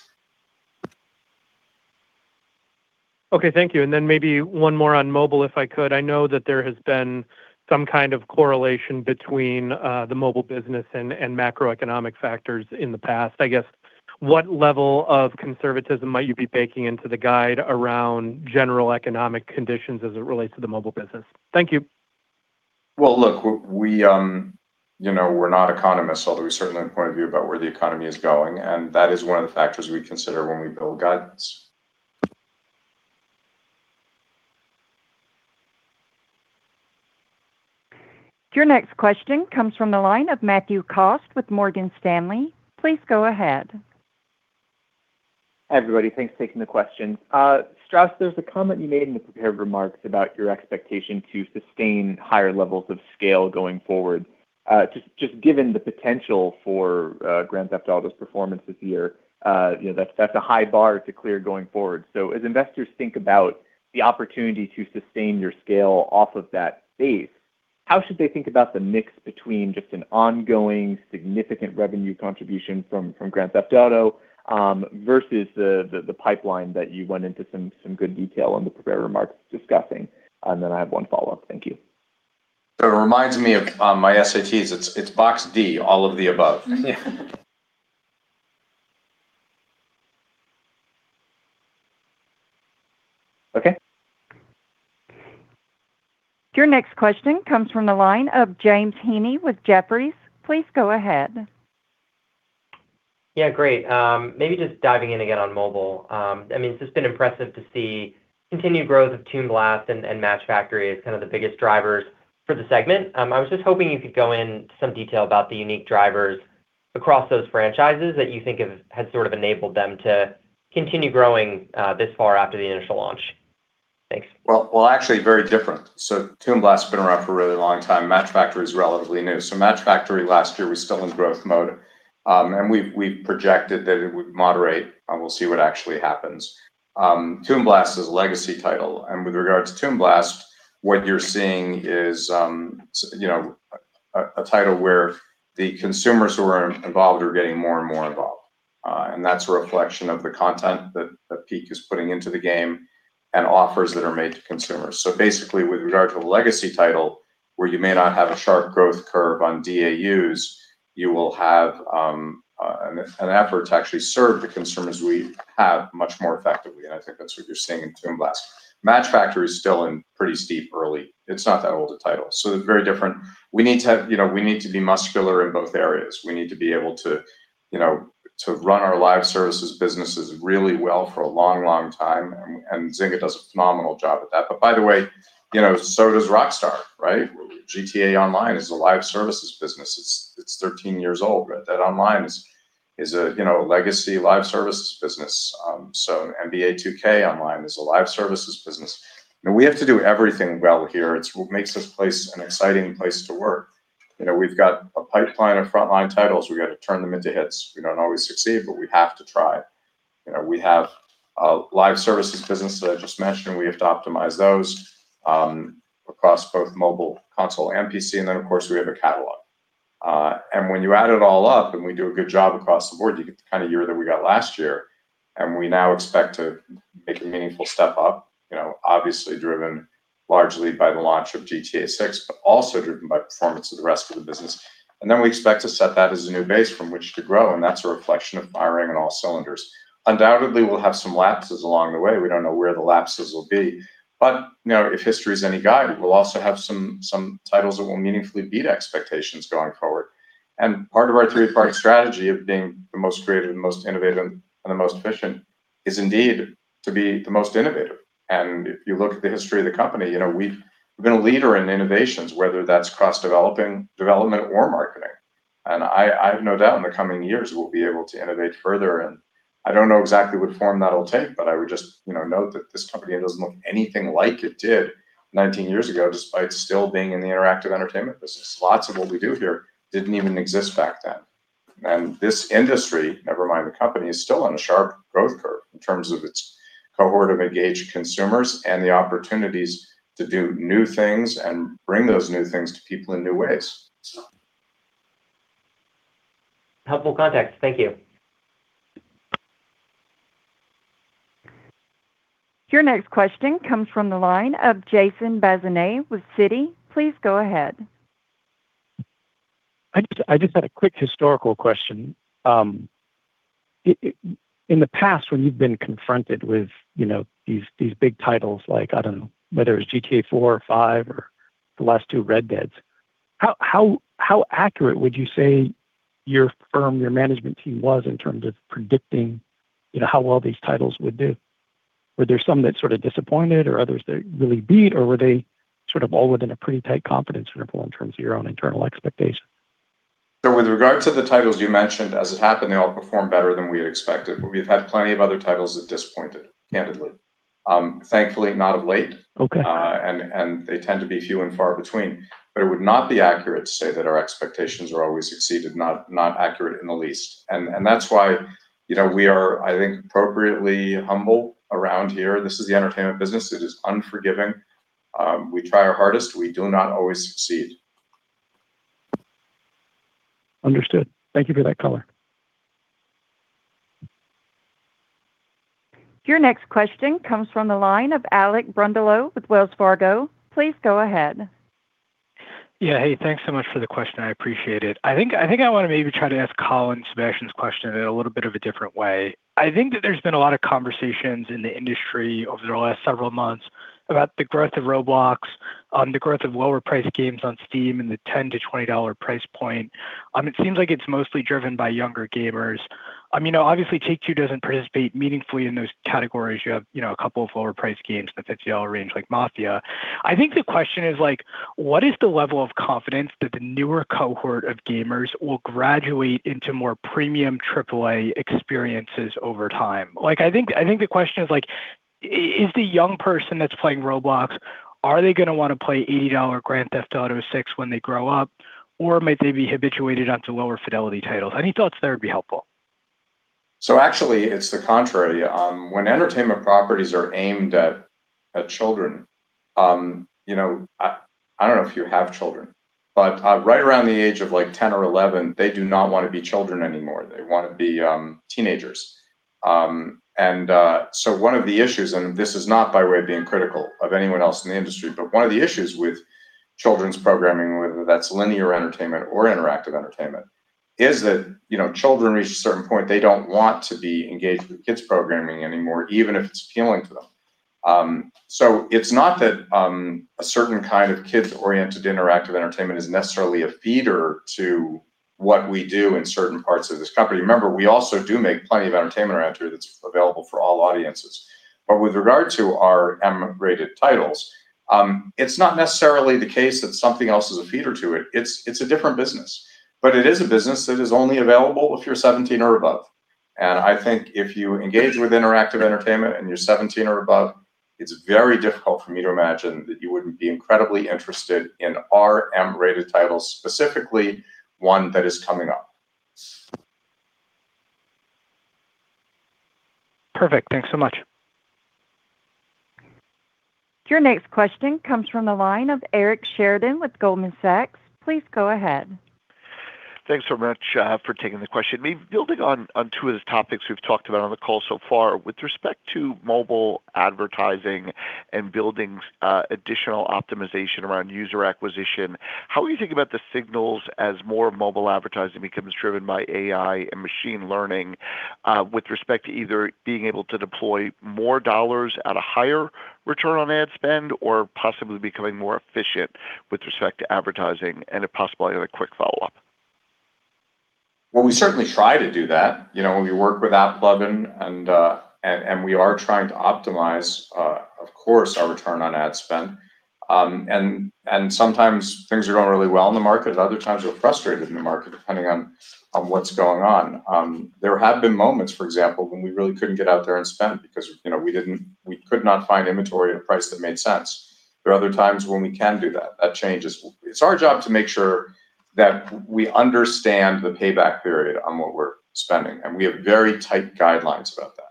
Okay. Thank you. Maybe one more on mobile, if I could. I know that there has been some kind of correlation between the mobile business and macroeconomic factors in the past. I guess, what level of conservatism might you be baking into the guide around general economic conditions as it relates to the mobile business? Thank you. Well, look, we're not economists, although we certainly have a point of view about where the economy is going, and that is one of the factors we consider when we build guidance. Your next question comes from the line of Matthew Cost with Morgan Stanley. Please go ahead. Hi, everybody. Thanks for taking the question. Strauss, there's a comment you made in the prepared remarks about your expectation to sustain higher levels of scale going forward. Just given the potential for Grand Theft Auto's performance this year, that's a high bar to clear going forward. As investors think about the opportunity to sustain your scale off of that base, how should they think about the mix between just an ongoing significant revenue contribution from Grand Theft Auto versus the pipeline that you went into some good detail on the prepared remarks discussing? I have one follow-up. Thank you. It reminds me of my SATs. It's box D, all of the above. Okay. Your next question comes from the line of James Heaney with Jefferies. Please go ahead. Great. Maybe just diving in again on mobile. It's just been impressive to see continued growth of Toon Blast and Match Factory as kind of the biggest drivers for the segment. I was just hoping you could go in some detail about the unique drivers across those franchises that you think have sort of enabled them to continue growing this far after the initial launch. Thanks. Well, actually very different. Toon Blast has been around for a really long time. Match Factory is relatively new. Match Factory last year was still in growth mode. We projected that it would moderate, and we'll see what actually happens. Toon Blast is a legacy title, with regard to Toon Blast, what you're seeing is a title where the consumers who are involved are getting more and more involved. That's a reflection of the content that Peak is putting into the game and offers that are made to consumers. Basically with regard to a legacy title where you may not have a sharp growth curve on DAUs, you will have an effort to actually serve the consumers we have much more effectively, and I think that's what you're seeing in Toon Blast. Match Factory is still in pretty steep early. It's not that old a title. They're very different. We need to be muscular in both areas. We need to be able to run our live services businesses really well for a long time, and Zynga does a phenomenal job at that. By the way, so does Rockstar, right? GTA Online is a live services business. It's 13 years old. Red Dead Online is a legacy live services business. NBA 2K Online is a live services business. We have to do everything well here. It's what makes this place an exciting place to work. We've got a pipeline of frontline titles. We've got to turn them into hits. We don't always succeed, but we have to try. We have a live services business that I just mentioned. We have to optimize those across both mobile console and PC. Then, of course, we have a catalog. When you add it all up and we do a good job across the board, you get the kind of year that we got last year, and we now expect to make a meaningful step up. Driven largely by the launch of GTA VI, also driven by performance of the rest of the business. We expect to set that as a new base from which to grow, that's a reflection of firing on all cylinders. Undoubtedly, we'll have some lapses along the way. We don't know where the lapses will be. If history is any guide, we'll also have some titles that will meaningfully beat expectations going forward. Part of our three-part strategy of being the most creative, the most innovative, and the most efficient is indeed to be the most innovative. If you look at the history of the company, we've been a leader in innovations, whether that's cross-development or marketing. I have no doubt in the coming years, we'll be able to innovate further. I don't know exactly what form that'll take, I would just note that this company doesn't look anything like it did 19 years ago, despite still being in the interactive entertainment business. Lots of what we do here didn't even exist back then. This industry, never mind the company, is still on a sharp growth curve in terms of its cohort of engaged consumers and the opportunities to do new things and bring those new things to people in new ways. Helpful context. Thank you. Your next question comes from the line of Jason Bazinet with Citi. Please go ahead. I just had a quick historical question. In the past when you've been confronted with these big titles like, I don't know, whether it was GTA IV or V or the last two Red Deads, how accurate would you say your firm, your management team was in terms of predicting how well these titles would do? Were there some that sort of disappointed or others that really beat, or were they sort of all within a pretty tight confidence interval in terms of your own internal expectation? With regards to the titles you mentioned, as it happened, they all performed better than we had expected. We've had plenty of other titles that disappointed, candidly. Thankfully, not of late. Okay. They tend to be few and far between. It would not be accurate to say that our expectations were always exceeded. Not accurate in the least. That's why we are, I think, appropriately humble around here. This is the entertainment business. It is unforgiving. We try our hardest. We do not always succeed. Understood. Thank you for that color. Your next question comes from the line of Alec Brondolo with Wells Fargo. Please go ahead. Yeah. Hey, thanks so much for the question. I appreciate it. I think I want to maybe try to ask Colin Sebastian's question in a little bit of a different way. I think that there's been a lot of conversations in the industry over the last several months about the growth of Roblox, the growth of lower-priced games on Steam in the $10-$20 price point. It seems like it's mostly driven by younger gamers. Obviously Take-Two doesn't participate meaningfully in those categories. You have a couple of lower-priced games in the $50 range, like Mafia. I think the question is what is the level of confidence that the newer cohort of gamers will graduate into more premium AAA experiences over time? I think the question is, is the young person that's playing Roblox, are they going to want to play $80 Grand Theft Auto VI when they grow up, or might they be habituated onto lower fidelity titles? Any thoughts there would be helpful. Actually, it's the contrary. When entertainment properties are aimed at children, I don't know if you have children, but right around the age of 10 or 11, they do not want to be children anymore. They want to be teenagers. One of the issues, and this is not by way of being critical of anyone else in the industry, but one of the issues with children's programming, whether that's linear entertainment or interactive entertainment, is that children reach a certain point, they don't want to be engaged with kids programming anymore, even if it's appealing to them. It's not that a certain kind of kids-oriented interactive entertainment is necessarily a feeder to what we do in certain parts of this company. Remember, we also do make plenty of entertainment around here that's available for all audiences. With regard to our M-rated titles, it's not necessarily the case that something else is a feeder to it. It's a different business. It is a business that is only available if you're 17 or above. I think if you engage with interactive entertainment and you're 17 or above, it's very difficult for me to imagine that you wouldn't be incredibly interested in our M-rated titles, specifically one that is coming up. Perfect. Thanks so much. Your next question comes from the line of Eric Sheridan with Goldman Sachs. Please go ahead. Thanks so much for taking the question. Maybe building on two of the topics we've talked about on the call so far, with respect to mobile advertising and building additional optimization around user acquisition, how are you thinking about the signals as more mobile advertising becomes driven by AI and machine learning with respect to either being able to deploy more dollars at a higher return on ad spend or possibly becoming more efficient with respect to advertising? If possible, I have a quick follow-up. Well, we certainly try to do that. We work with AppLovin and we are trying to optimize, of course, our return on ad spend. Sometimes things are going really well in the market. Other times, we're frustrated in the market depending on what's going on. There have been moments, for example, when we really couldn't get out there and spend because we could not find inventory at a price that made sense. There are other times when we can do that. That changes. It's our job to make sure that we understand the payback period on what we're spending, and we have very tight guidelines about that.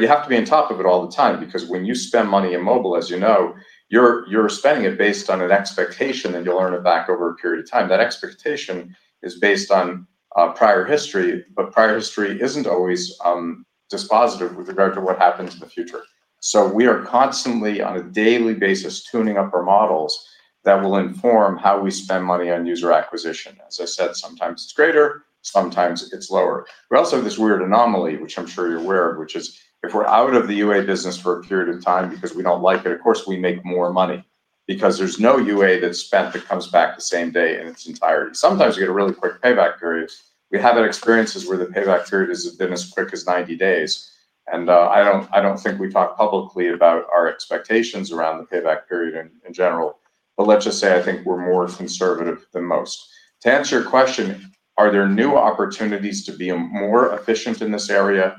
You have to be on top of it all the time because when you spend money in mobile, as you know, you're spending it based on an expectation, and you'll earn it back over a period of time. That expectation is based on a prior history, prior history isn't always dispositive with regard to what happens in the future. We are constantly, on a daily basis, tuning up our models that will inform how we spend money on user acquisition. As I said, sometimes it's greater, sometimes it's lower. We also have this weird anomaly, which I'm sure you're aware of, which is if we're out of the UA business for a period of time because we don't like it, of course, we make more money because there's no UA that's spent that comes back the same day in its entirety. Sometimes you get a really quick payback period. We have had experiences where the payback period has been as quick as 90 days. I don't think we talk publicly about our expectations around the payback period in general, let's just say I think we're more conservative than most. To answer your question, are there new opportunities to be more efficient in this area?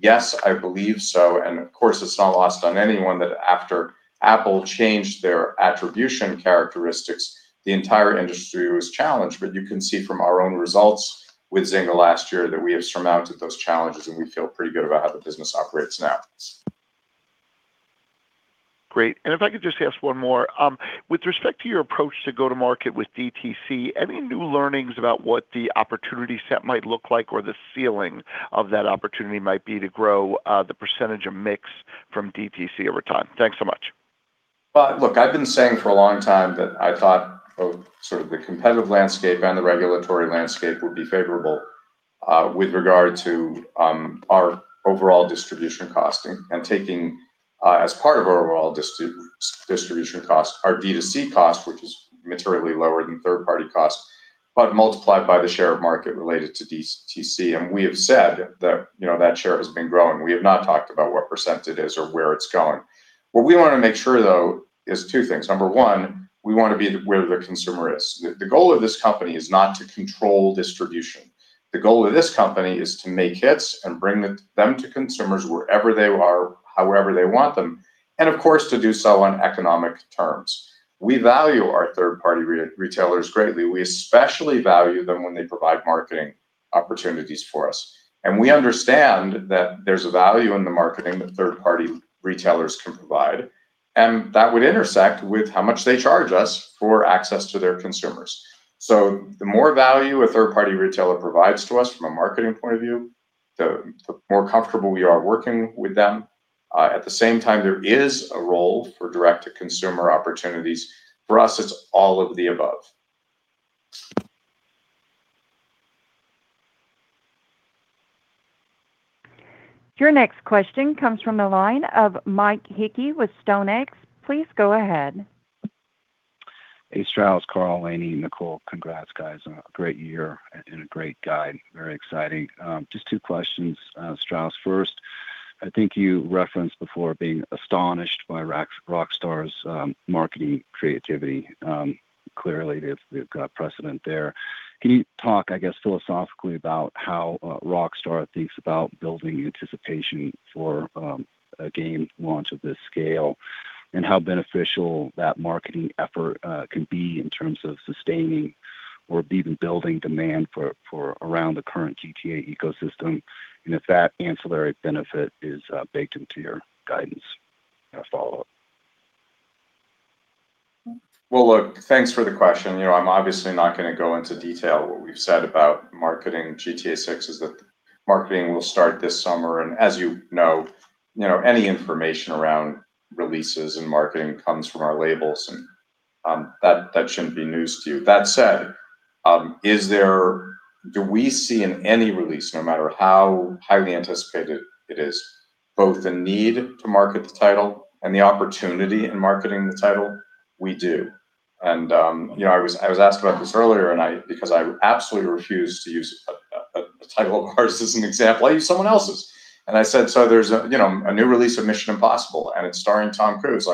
Yes, I believe so. Of course, it's not lost on anyone that after Apple changed their attribution characteristics, the entire industry was challenged. You can see from our own results with Zynga last year that we have surmounted those challenges. We feel pretty good about how the business operates now. Great. If I could just ask one more. With respect to your approach to go to market with DTC, any new learnings about what the opportunity set might look like or the ceiling of that opportunity might be to grow the percentage of mix from DTC over time? Thanks so much. Look, I've been saying for a long time that I thought both sort of the competitive landscape and the regulatory landscape would be favorable with regard to our overall distribution costing and taking as part of our overall distribution cost, our D2C cost, which is materially lower than third-party costs, but multiplied by the share of market related to DTC. We have said that that share has been growing. We have not talked about what percentage it is or where it's going. What we want to make sure, though, is two things. Number one, we want to be where the consumer is. The goal of this company is not to control distribution. The goal of this company is to make hits and bring them to consumers wherever they are, however they want them, and of course, to do so on economic terms. We value our third-party retailers greatly. We especially value them when they provide marketing opportunities for us. We understand that there's a value in the marketing that third-party retailers can provide, and that would intersect with how much they charge us for access to their consumers. The more value a third-party retailer provides to us from a marketing point of view, the more comfortable we are working with them. At the same time, there is a role for direct-to-consumer opportunities. For us, it's all of the above. Your next question comes from the line of Mike Hickey with StoneX. Please go ahead. Hey, Strauss, Karl, Lainie, Nicole. Congrats, guys. A great year and a great guide. Very exciting. Just two questions. Strauss, first, I think you referenced before being astonished by Rockstar's marketing creativity. Clearly, they've got precedent there. Can you talk, I guess, philosophically about how Rockstar thinks about building anticipation for a game launch of this scale and how beneficial that marketing effort can be in terms of sustaining or even building demand around the current GTA ecosystem, and if that ancillary benefit is baked into your guidance? I have a follow-up. Well, look, thanks for the question. I'm obviously not going to go into detail. What we've said about marketing GTA VI is that marketing will start this summer. As you know, any information around releases and marketing comes from our labels, and that shouldn't be news to you. That said, do we see in any release, no matter how highly anticipated it is, both the need to market the title and the opportunity in marketing the title? We do. I was asked about this earlier, and because I absolutely refuse to use a title of ours as an example, I used someone else's. I said, there's a new release of Mission: Impossible, and it's starring Tom Cruise.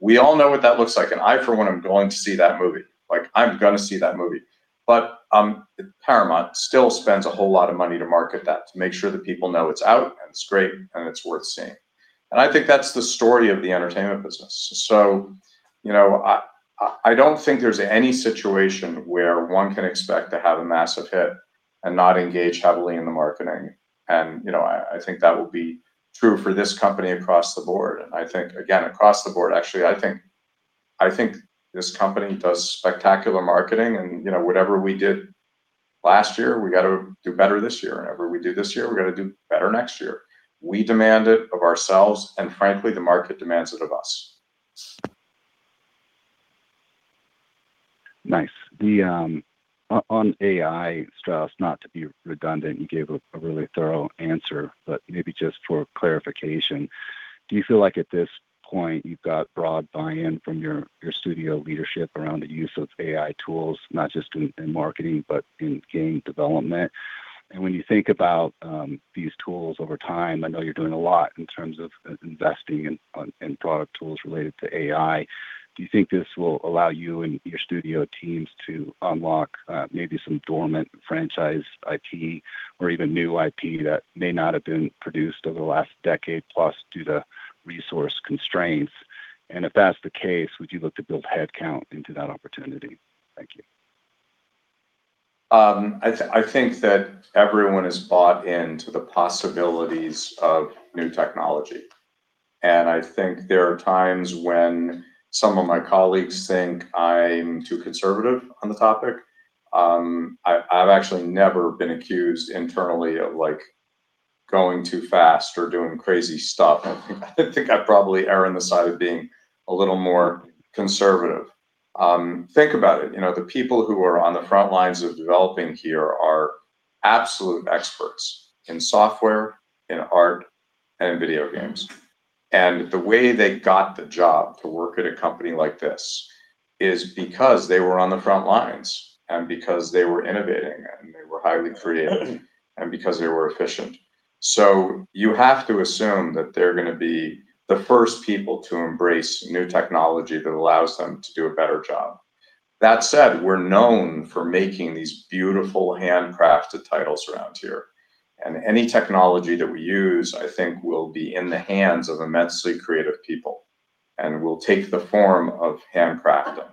We all know what that looks like. I, for one, am going to see that movie. I'm going to see that movie. Paramount still spends a whole lot of money to market that to make sure that people know it's out and it's great and it's worth seeing. I think that's the story of the entertainment business. I don't think there's any situation where one can expect to have a massive hit and not engage heavily in the marketing. I think that will be true for this company across the board. I think, again, across the board, actually, I think this company does spectacular marketing. Whatever we did last year, we got to do better this year. Whatever we do this year, we got to do better next year. We demand it of ourselves, and frankly, the market demands it of us. Nice. On AI, Strauss, not to be redundant, you gave a really thorough answer, but maybe just for clarification, do you feel like at this point you've got broad buy-in from your studio leadership around the use of AI tools, not just in marketing, but in game development? When you think about these tools over time, I know you're doing a lot in terms of investing in product tools related to AI. Do you think this will allow you and your studio teams to unlock maybe some dormant franchise IP or even new IP that may not have been produced over the last decade plus due to resource constraints? If that's the case, would you look to build headcount into that opportunity? Thank you. I think that everyone has bought into the possibilities of new technology. I think there are times when some of my colleagues think I'm too conservative on the topic. I've actually never been accused internally of going too fast or doing crazy stuff. I think I probably err on the side of being a little more conservative. Think about it. The people who are on the front lines of developing here are absolute experts in software, in art, and in video games. The way they got the job to work at a company like this is because they were on the front lines, and because they were innovating, and they were highly creative, and because they were efficient. You have to assume that they're going to be the first people to embrace new technology that allows them to do a better job. That said, we're known for making these beautiful handcrafted titles around here. Any technology that we use, I think, will be in the hands of immensely creative people and will take the form of handcrafting.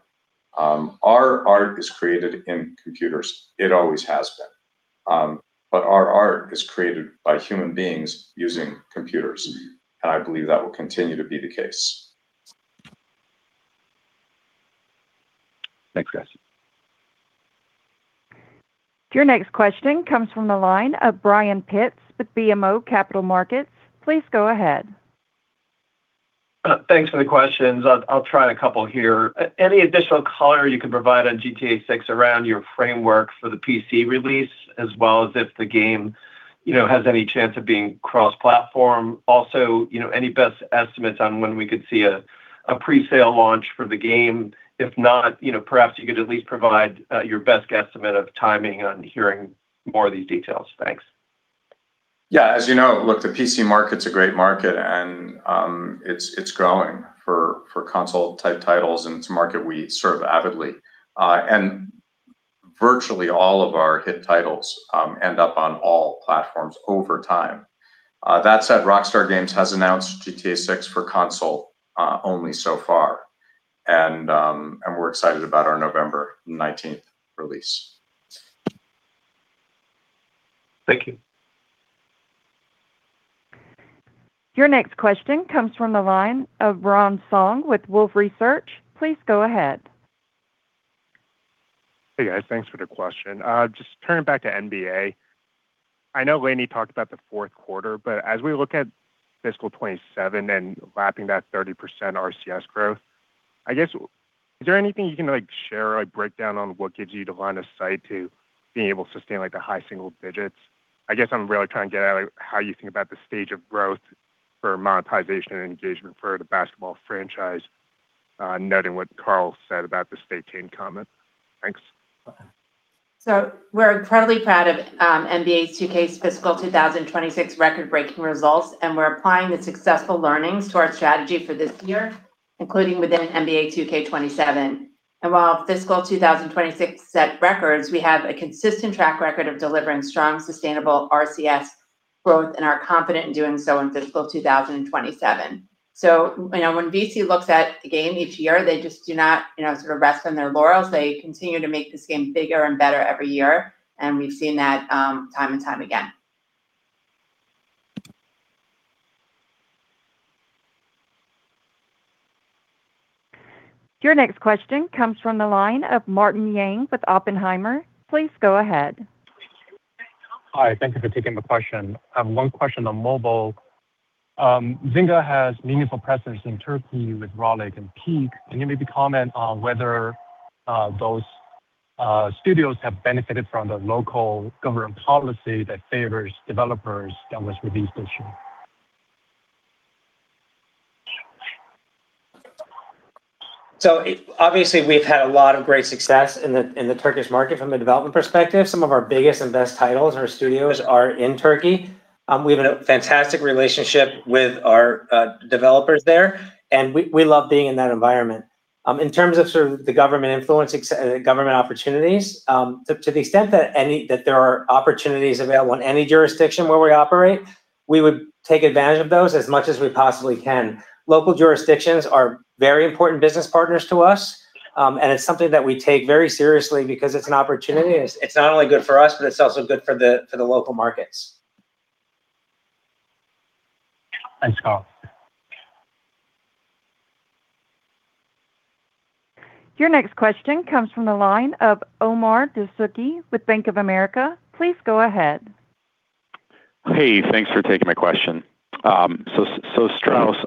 Our art is created in computers. It always has been. Our art is created by human beings using computers, and I believe that will continue to be the case. Thanks, guys. Your next question comes from the line of Brian Pitz with BMO Capital Markets. Please go ahead. Thanks for the questions. I'll try a couple here. Any additional color you can provide on GTA VI around your framework for the PC release, as well as if the game has any chance of being cross-platform? Also, any best estimates on when we could see a pre-sale launch for the game? If not, perhaps you could at least provide your best guesstimate of timing on hearing more of these details. Thanks. As you know, look, the PC market is a great market, and it is growing for console-type titles, and it is a market we serve avidly. Virtually all of our hit titles end up on all platforms over time. That said, Rockstar Games has announced GTA VI for console only so far. We are excited about our November 19th release. Thank you. Your next question comes from the line of Ron Song with Wolfe Research. Please go ahead. Hey, guys. Thanks for the question. Turning back to NBA. I know Lainie talked about the fourth quarter, but as we look at fiscal 2027 and lapping that 30% RCS growth, I guess, is there anything you can share or break down on what gives you the line of sight to being able to sustain the high single-digits? I guess I'm really trying to get at how you think about the stage of growth for monetization and engagement for the basketball franchise, noting what Karl said about the [stay chain] comment. Thanks. We're incredibly proud of NBA 2K's fiscal 2026 record-breaking results, and we're applying the successful learnings to our strategy for this year, including within NBA 2K27. While fiscal 2026 set records, we have a consistent track record of delivering strong, sustainable RCS growth and are confident in doing so in fiscal 2027. When VC looks at the game each year, they just do not rest on their laurels. They continue to make this game bigger and better every year, and we've seen that time and time again. Your next question comes from the line of Martin Yang with Oppenheimer. Please go ahead. Hi. Thank you for taking the question. I have one question on mobile. Zynga has meaningful presence in Turkey with Rollic and Peak. Can you maybe comment on whether those studios have benefited from the local government policy that favors developers that was released this year? Obviously, we've had a lot of great success in the Turkish market from a development perspective. Some of our biggest and best titles in our studios are in Turkey. We have a fantastic relationship with our developers there, and we love being in that environment. In terms of the government opportunities, to the extent that there are opportunities available in any jurisdiction where we operate, we would take advantage of those as much as we possibly can. Local jurisdictions are very important business partners to us, and it's something that we take very seriously because it's an opportunity. It's not only good for us, but it's also good for the local markets. Thanks, Karl. Your next question comes from the line of Omar Dessouky with Bank of America. Please go ahead. Hey. Thanks for taking my question. Strauss,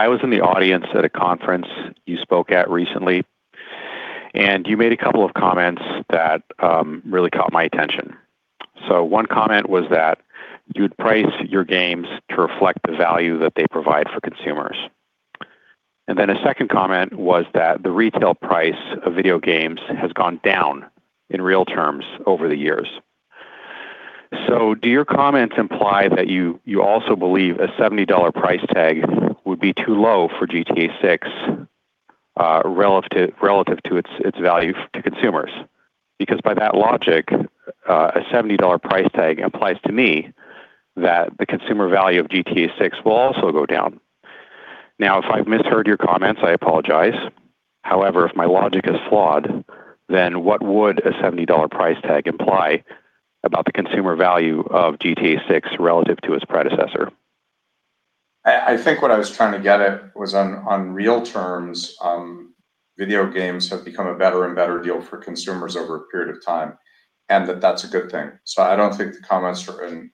I was in the audience at a conference you spoke at recently, and you made two comments that really caught my attention. One comment was that you'd price your games to reflect the value that they provide for consumers. A second comment was that the retail price of video games has gone down in real terms over the years. Do your comments imply that you also believe a $70 price tag would be too low for GTA VI relative to its value to consumers? By that logic, a $70 price tag implies to me that the consumer value of GTA VI will also go down. If I've misheard your comments, I apologize. If my logic is flawed, what would a $70 price tag imply about the consumer value of GTA VI relative to its predecessor? I think what I was trying to get at was on real terms, video games have become a better and better deal for consumers over a period of time, and that that's a good thing. I don't think the comments are in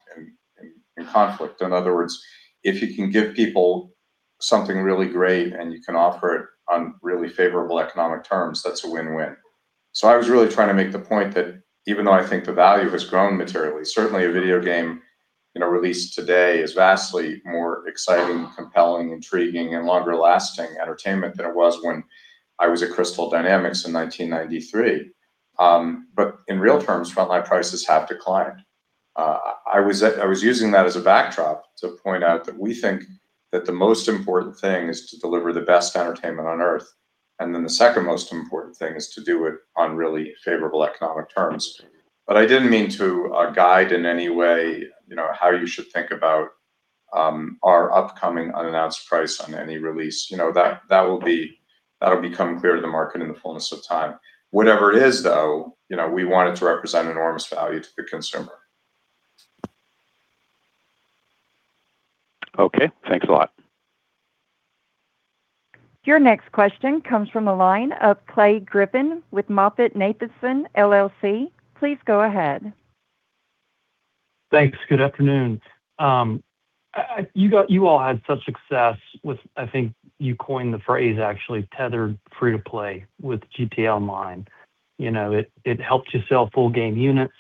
conflict. In other words, if you can give people something really great and you can offer it on really favorable economic terms, that's a win-win. I was really trying to make the point that even though I think the value has grown materially, certainly a video game released today is vastly more exciting, compelling, intriguing, and longer-lasting entertainment than it was when I was at Crystal Dynamics in 1993. In real terms, front-line prices have declined. I was using that as a backdrop to point out that we think that the most important thing is to deliver the best entertainment on earth. The second most important thing is to do it on really favorable economic terms. I didn't mean to guide in any way how you should think about our upcoming unannounced price on any release. That'll become clear to the market in the fullness of time. Whatever it is, though, we want it to represent enormous value to the consumer. Okay. Thanks a lot. Your next question comes from the line of Clay Griffin with MoffettNathanson LLC. Please go ahead. Thanks. Good afternoon. You all had such success with, I think you coined the phrase actually, tethered free-to-play with GTA Online. It helped you sell full game units,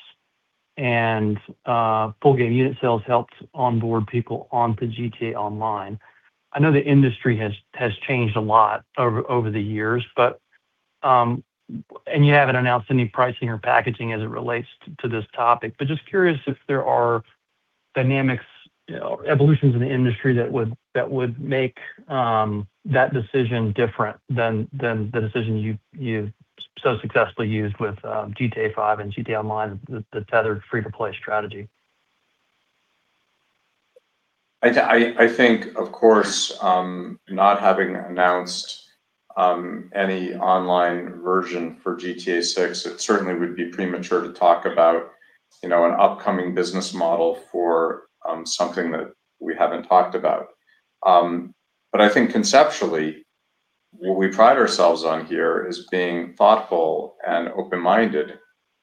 and full game unit sales helped onboard people onto GTA Online. I know the industry has changed a lot over the years, and you haven't announced any pricing or packaging as it relates to this topic, but just curious if there are dynamics or evolutions in the industry that would make that decision different than the decision you so successfully used with GTA V and GTA Online, the tethered free-to-play strategy. I think, of course, not having announced any online version for GTA VI, it certainly would be premature to talk about an upcoming business model for something that we haven't talked about. I think conceptually, what we pride ourselves on here is being thoughtful and open-minded,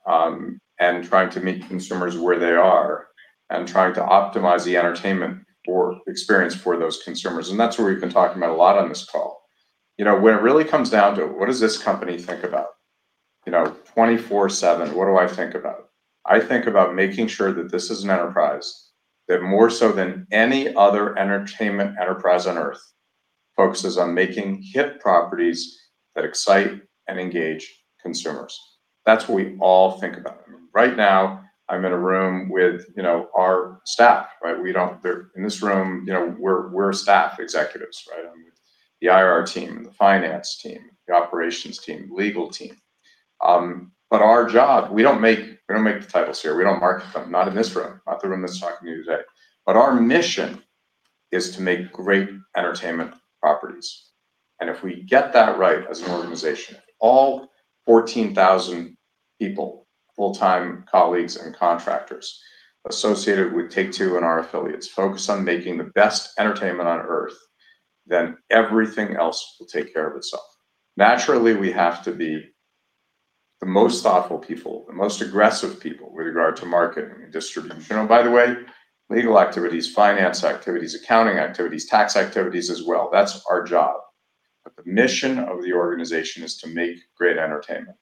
and trying to meet consumers where they are, and trying to optimize the entertainment or experience for those consumers. That's where we've been talking about a lot on this call. When it really comes down to it, what does this company think about? 24/7, what do I think about? I think about making sure that this is an enterprise that more so than any other entertainment enterprise on earth, focuses on making hit properties that excite and engage consumers. That's what we all think about. Right now, I'm in a room with our staff, right? In this room, we're staff executives, right? The IR team, the finance team, the operations team, legal team. Our job, we don't make the titles here. We don't market them, not in this room, not the room that's talking to you today. Our mission is to make great entertainment properties. If we get that right as an organization, all 14,000 people, full-time colleagues and contractors associated with Take-Two and our affiliates focus on making the best entertainment on earth, everything else will take care of itself. Naturally, we have to be the most thoughtful people, the most aggressive people with regard to marketing and distribution. Oh, by the way, legal activities, finance activities, accounting activities, tax activities as well. That's our job. The mission of the organization is to make great entertainment.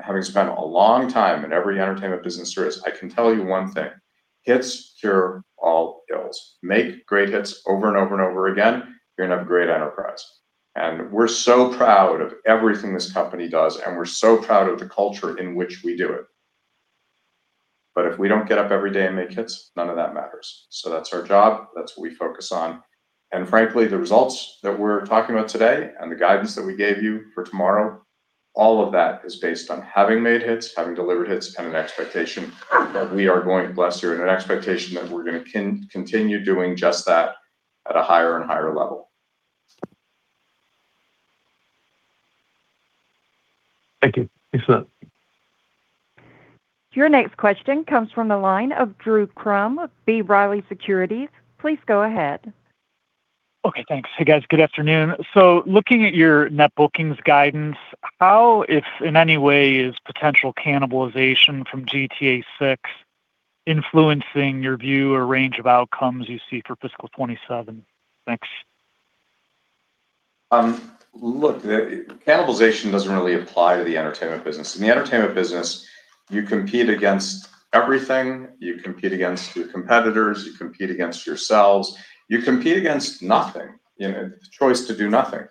Having spent a long time in every entertainment business there is, I can tell you one thing, hits cure all ills. Make great hits over and over and over again, you're going to have a great enterprise. We're so proud of everything this company does, and we're so proud of the culture in which we do it. If we don't get up every day and make hits, none of that matters. That's our job. That's what we focus on. Frankly, the results that we're talking about today and the guidance that we gave you for tomorrow, all of that is based on having made hits, having delivered hits, and an expectation that we are going to blast through, and an expectation that we're going to continue doing just that at a higher and higher level. Thank you. Peace out. Your next question comes from the line of Drew Crum, B. Riley Securities. Please go ahead. Okay, thanks. Hey, guys. Good afternoon. Looking at your Net Bookings guidance, how, if in any way, is potential cannibalization from GTA VI influencing your view or range of outcomes you see for fiscal 2027? Thanks. Look, cannibalization doesn't really apply to the entertainment business. In the entertainment business, you compete against everything. You compete against your competitors, you compete against yourselves. You compete against nothing, the choice to do nothing.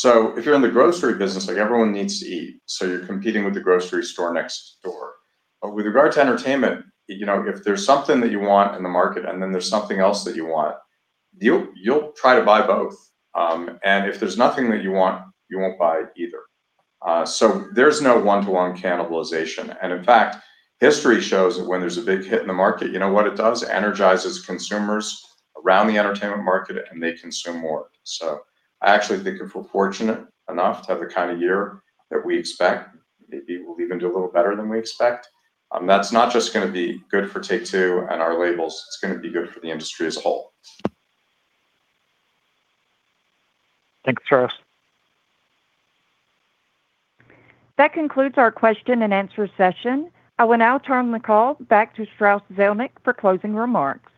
If you're in the grocery business, everyone needs to eat, so you're competing with the grocery store next door. With regard to entertainment, if there's something that you want in the market and then there's something else that you want, you'll try to buy both. If there's nothing that you want, you won't buy either. There's no one-to-one cannibalization. In fact, history shows that when there's a big hit in the market, you know what it does? It energizes consumers around the entertainment market, and they consume more. I actually think if we're fortunate enough to have the kind of year that we expect, maybe we'll even do a little better than we expect, that's not just going to be good for Take-Two and our labels, it's going to be good for the industry as a whole. Thanks, Strauss. That concludes our question-and-answer session. I will now turn the call back to Strauss Zelnick for closing remarks.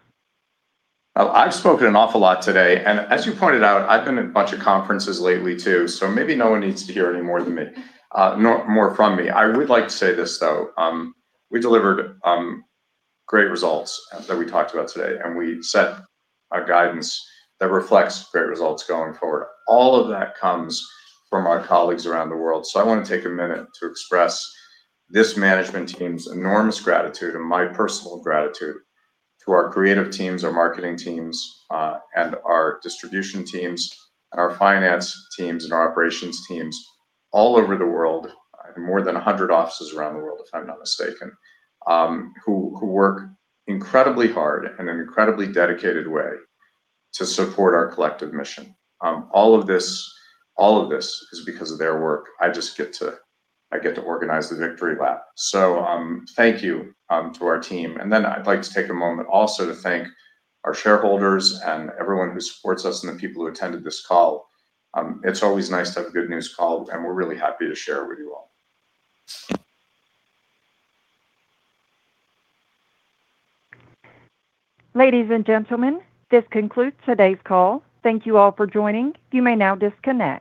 I've spoken an awful lot today, and as you pointed out, I've been in a bunch of conferences lately too, so maybe no one needs to hear any more from me. I would like to say this, though. We delivered great results that we talked about today, and we set a guidance that reflects great results going forward. All of that comes from our colleagues around the world. I want to take a minute to express this management team's enormous gratitude and my personal gratitude to our creative teams, our marketing teams, and our distribution teams, and our finance teams and our operations teams all over the world, more than 100 offices around the world, if I'm not mistaken, who work incredibly hard in an incredibly dedicated way to support our collective mission. All of this is because of their work. I just get to organize the victory lap. Thank you to our team. I'd like to take a moment also to thank our shareholders and everyone who supports us and the people who attended this call. It's always nice to have a good news call, and we're really happy to share it with you all. Ladies and gentlemen, this concludes today's call. Thank you all for joining. You may now disconnect.